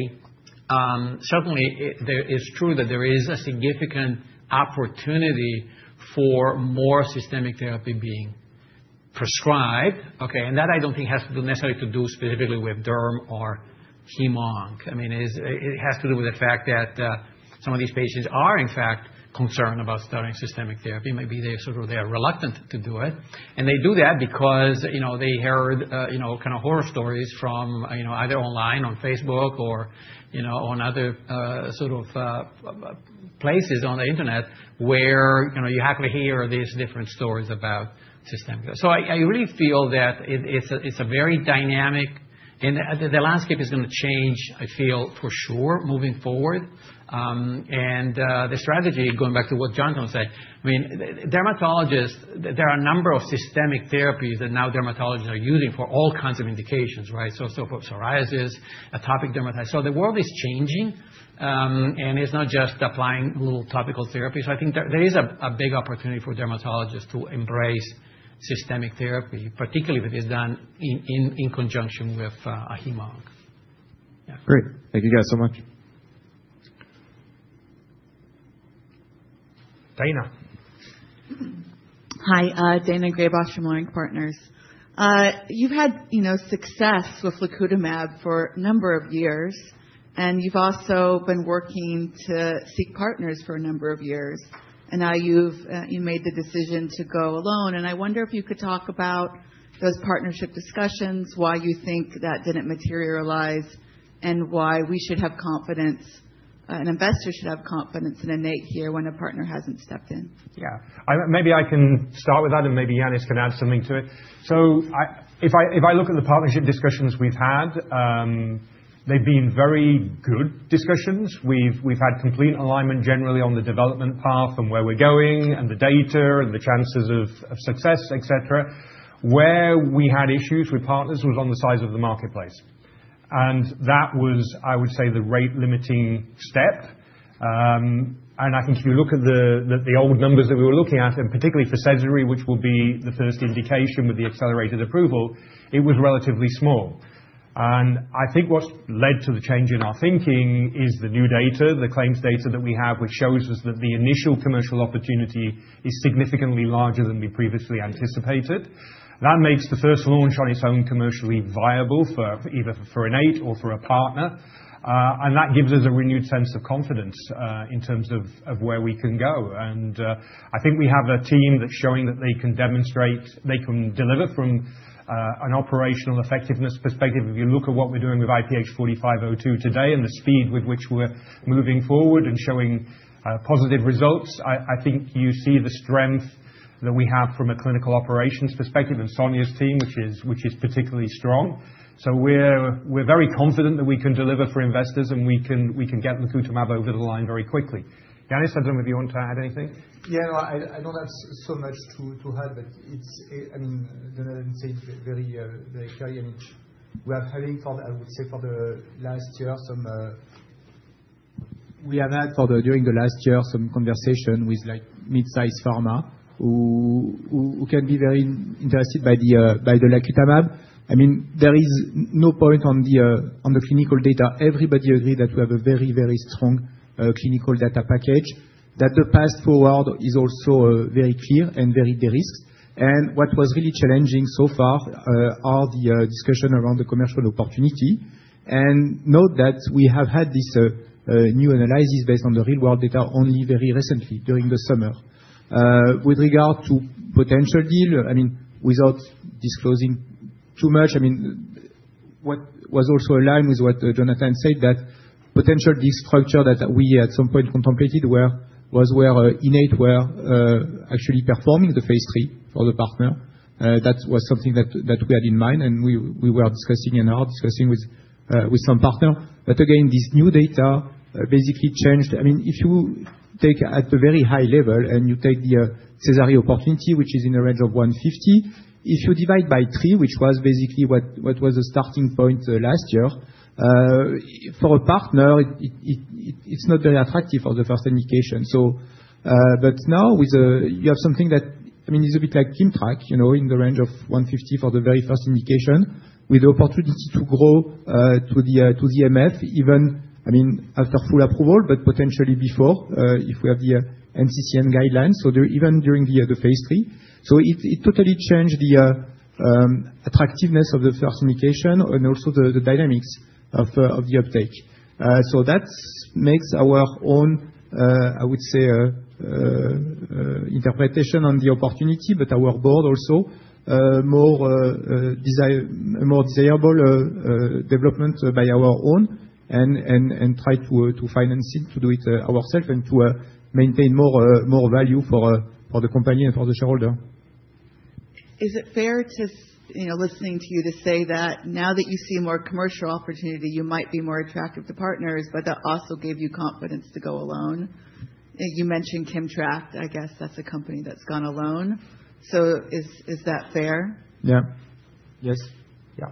certainly, it's true that there is a significant opportunity for more systemic therapy being prescribed. Okay, and that I don't think has to do necessarily specifically with Derm or Hem/Onc. I mean, it has to do with the fact that some of these patients are, in fact, concerned about starting systemic therapy. Maybe they're sort of reluctant to do it. And they do that because they heard kind of horror stories from either online, on Facebook, or on other sort of places on the internet where you have to hear these different stories about systemic therapy. So I really feel that it's very dynamic, and the landscape is going to change, I feel, for sure, moving forward. And the strategy, going back to what John was saying, I mean. Dermatologists, there are a number of systemic therapies that now dermatologists are using for all kinds of indications, right? So for psoriasis, atopic dermatitis. So the world is changing, and it's not just applying little topical therapies. So I think there is a big opportunity for dermatologists to embrace systemic therapy, particularly if it is done in conjunction with a Hem/Onc. Yeah. Great. Thank you guys so much. Daina. Hi. Daina Graybosch from Leerink Partners. You've had success with lacutamab for a number of years, and you've also been working to seek partners for a number of years. And now you've made the decision to go alone. And I wonder if you could talk about those partnership discussions, why you think that didn't materialize, and why we should have confidence, an investor should have confidence in Innate here when a partner hasn't stepped in. Yeah. Maybe I can start with that, and maybe Yannis can add something to it. So if I look at the partnership discussions we've had, they've been very good discussions. We've had complete alignment generally on the development path and where we're going and the data and the chances of success, etc. Where we had issues with partners was on the size of the marketplace. And that was, I would say, the rate-limiting step. And I think if you look at the old numbers that we were looking at, and particularly for Sézary, which will be the first indication with the accelerated approval, it was relatively small. And I think what's led to the change in our thinking is the new data, the claims data that we have, which shows us that the initial commercial opportunity is significantly larger than we previously anticipated. That makes the first launch on its own commercially viable for either Innate or for a partner. And that gives us a renewed sense of confidence in terms of where we can go. And I think we have a team that's showing that they can demonstrate, they can deliver from an operational effectiveness perspective. If you look at what we're doing with IPH4502 today and the speed with which we're moving forward and showing positive results, I think you see the strength that we have from a clinical operations perspective and Sonia's team, which is particularly strong, so we're very confident that we can deliver for investors and we can get lacutamab over the line very quickly. Yannis, I don't know if you want to add anything. Yeah. No, I don't have so much to add, but it's, I mean, the latency is very clear, and we have had, I would say, during the last year some conversation with mid-size pharma who can be very interested by the lacutamab. I mean, there is no point on the clinical data. Everybody agreed that we have a very, very strong clinical data package, that the path forward is also very clear and very de-risked. And what was really challenging so far are the discussion around the commercial opportunity. And note that we have had this new analysis based on the real-world data only very recently during the summer. With regard to potential deal, I mean, without disclosing too much, I mean, what was also aligned with what Jonathan said, that potential deal structure that we at some point contemplated was where Innate were actually performing the Phase III for the partner. That was something that we had in mind, and we were discussing and are discussing with some partner. But again, this new data basically changed. I mean, if you take at the very high level and you take the Sézary opportunity, which is in the range of $150 million, if you divide by three, which was basically what was the starting point last year for a partner, it's not very attractive for the first indication, but now you have something that, I mean, it's a bit like Kimmtrak in the range of $150 million for the very first indication with the opportunity to grow to the MF, even, I mean, after full approval, but potentially before if we have the NCCN guidelines, so even during the Phase III, so it totally changed the attractiveness of the first indication and also the dynamics of the uptake. So that makes our own, I would say, interpretation on the opportunity, but our board also more desirable development by our own and try to finance it, to do it ourselves and to maintain more value for the company and for the shareholder. Is it fair, listening to you, to say that now that you see more commercial opportunity, you might be more attractive to partners, but that also gave you confidence to go alone? You mentioned Kimmtrak. I guess that's a company that's gone alone. So is that fair? Yeah. Yes. Yeah.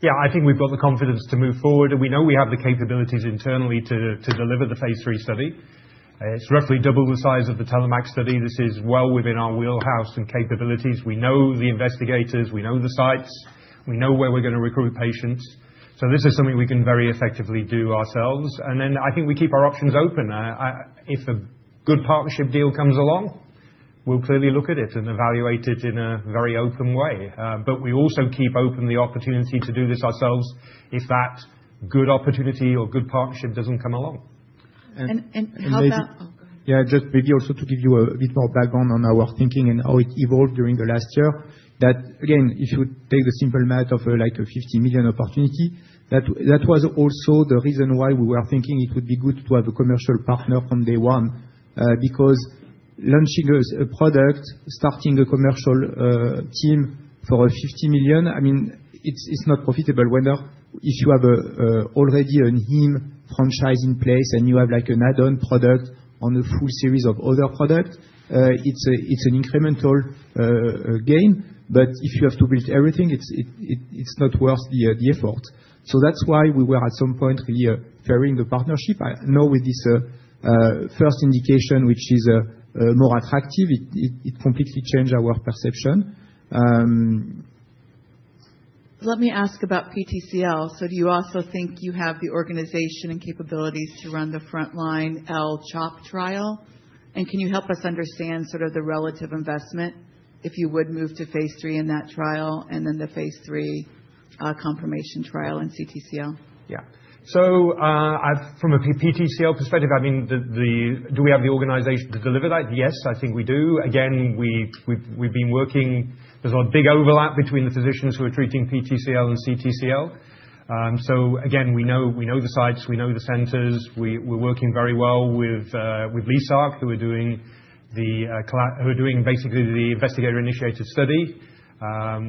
Yeah. I think we've got the confidence to move forward. We know we have the capabilities internally to deliver the Phase III study. It's roughly double the size of the TELLOMAK study. This is well within our wheelhouse and capabilities. We know the investigators. We know the sites. We know where we're going to recruit patients. So this is something we can very effectively do ourselves. And then I think we keep our options open. If a good partnership deal comes along, we'll clearly look at it and evaluate it in a very open way. But we also keep open the opportunity to do this ourselves if that good opportunity or good partnership doesn't come along. Just maybe also to give you a bit more background on our thinking and how it evolved during the last year, that again, if you take the simple math of like a $50 million opportunity, that was also the reason why we were thinking it would be good to have a commercial partner from day one because launching a product, starting a commercial team for $50 million, I mean, it's not profitable. If you have already a heme franchise in place and you have like an add-on product or a full series of other products, it's an incremental gain. But if you have to build everything, it's not worth the effort. So that's why we were at some point really fearing the partnership. I know with this first indication, which is more attractive, it completely changed our perception. Let me ask about PTCL. So do you also think you have the organization and capabilities to run the frontline L-CHOP trial? And can you help us understand sort of the relative investment if you would move to Phase III in that trial and then the Phase III confirmation trial and CTCL? Yeah. So from a PTCL perspective, I mean, do we have the organization to deliver that? Yes, I think we do. Again, we've been working. There's a big overlap between the physicians who are treating PTCL and CTCL, so again, we know the sites. We know the centers. We're working very well with LYSARC, who are doing basically the investigator-initiated study,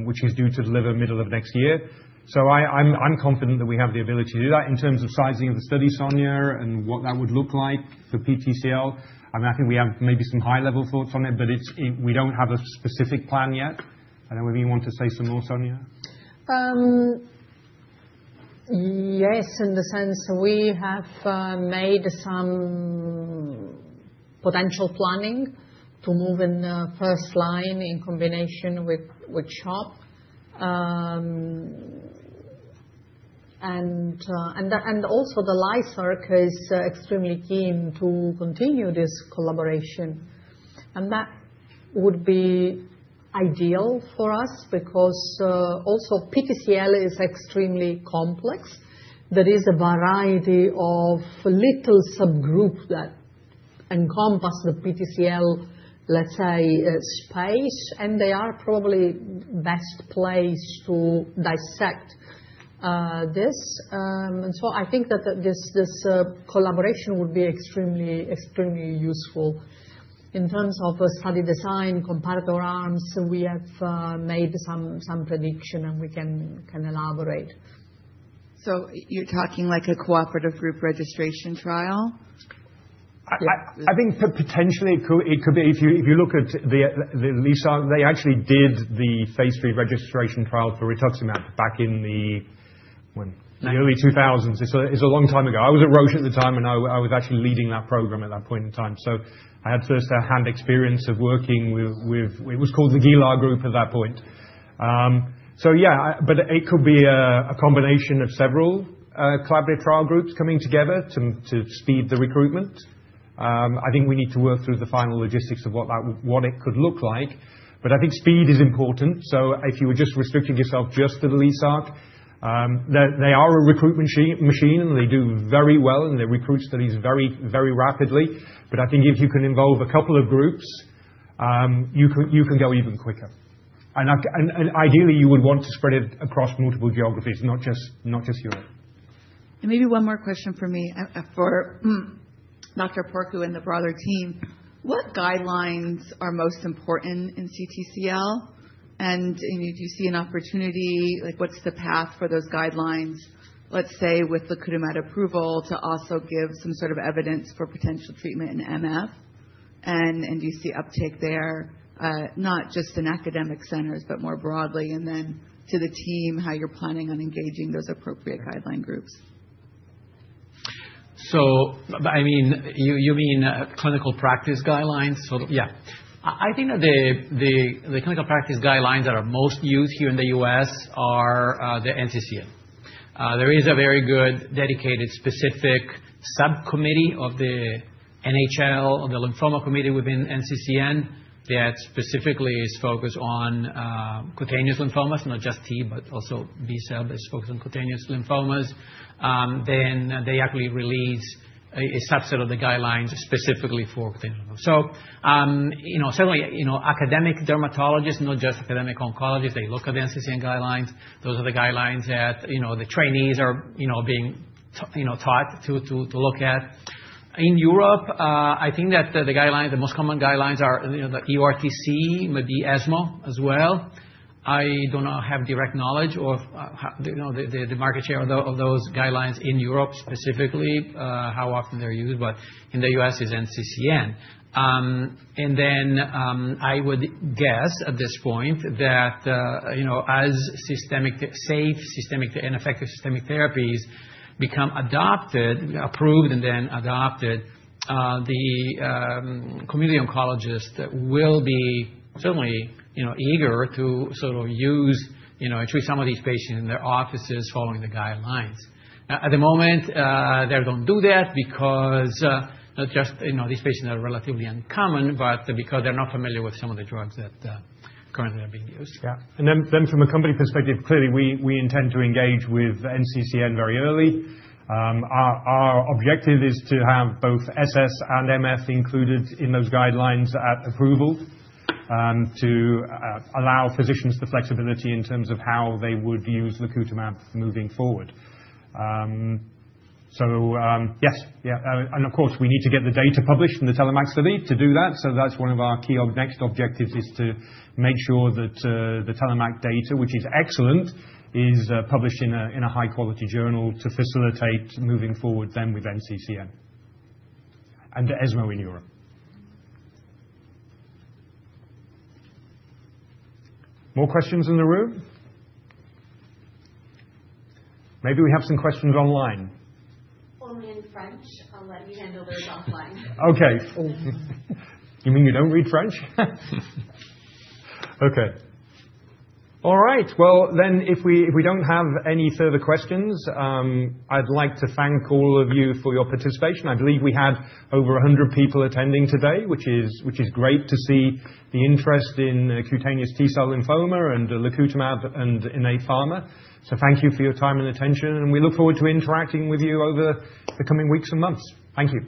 which is due to deliver middle of next year, so I'm confident that we have the ability to do that. In terms of sizing of the study, Sonia, and what that would look like for PTCL, I mean, I think we have maybe some high-level thoughts on it, but we don't have a specific plan yet. I don't know if you want to say some more, Sonia. Yes, in the sense we have made some potential planning to move in the first line in combination with CHOP, and also the LYSARC is extremely keen to continue this collaboration, and that would be ideal for us because also PTCL is extremely complex. There is a variety of little subgroups that encompass the PTCL, let's say, space, and they are probably best placed to dissect this, and so I think that this collaboration would be extremely useful in terms of study design, comparator arms. We have made some prediction, and we can elaborate. So you're talking like a cooperative group registration trial? I think potentially it could be if you look at the LYSARC, they actually did the Phase III registration trial for Rituximab back in the early 2000s. It's a long time ago. I was at Roche at the time, and I was actually leading that program at that point in time. So I had first-hand experience of working with it was called the GELA Group at that point, so yeah, but it could be a combination of several collaborative trial groups coming together to speed the recruitment. I think we need to work through the final logistics of what it could look like, but I think speed is important, so if you were just restricting yourself just to the LYSARC, they are a recruitment machine, and they do very well, and they recruit studies very rapidly, but I think if you can involve a couple of groups, you can go even quicker, and ideally, you would want to spread it across multiple geographies, not just Europe. Maybe one more question for me. For Dr. Porcu and the broader team, what guidelines are most important in CTCL? Do you see an opportunity? What's the path for those guidelines, let's say, with lacutamab approval to also give some sort of evidence for potential treatment in MF? Do you see uptake there, not just in academic centers, but more broadly? And then to the team, how you're planning on engaging those appropriate guideline groups? So I mean, you mean clinical practice guidelines? Yeah. I think that the clinical practice guidelines that are most used here in the U.S. are the NCCN. There is a very good dedicated specific subcommittee of the NHL, the lymphoma committee within NCCN that specifically is focused on cutaneous lymphomas, not just T, but also B cell-based focus on cutaneous lymphomas. Then they actually release a subset of the guidelines specifically for cutaneous lymphomas. So certainly, academic dermatologists, not just academic oncologists, they look at the NCCN guidelines. Those are the guidelines that the trainees are being taught to look at. In Europe, I think that the guidelines, the most common guidelines are the EORTC, maybe ESMO as well. I don't have direct knowledge of the market share of those guidelines in Europe specifically, how often they're used, but in the U.S. is NCCN, and then I would guess at this point that as safe and effective systemic therapies become adopted, approved, and then adopted, the community oncologist will be certainly eager to sort of use and treat some of these patients in their offices following the guidelines. At the moment, they don't do that because not just these patients are relatively uncommon, but because they're not familiar with some of the drugs that currently are being used. And then from a company perspective, clearly we intend to engage with NCCN very early. Our objective is to have both SS and MF included in those guidelines at approval to allow physicians the flexibility in terms of how they would use lacutamab moving forward, so yes. Yeah. And of course, we need to get the data published in the TELLOMAK study to do that. So that's one of our key next objectives is to make sure that the TELLOMAK data, which is excellent, is published in a high-quality journal to facilitate moving forward then with NCCN and ESMO in Europe. More questions in the room? Maybe we have some questions online. Only in French. I'll let you handle those offline. Okay. You mean you don't read French? Okay. All right. Well, then if we don't have any further questions, I'd like to thank all of you for your participation. I believe we had over 100 people attending today, which is great to see the interest in cutaneous T-cell lymphoma and lacutamab and Innate Pharma. So thank you for your time and attention, and we look forward to interacting with you over the coming weeks and months. Thank you.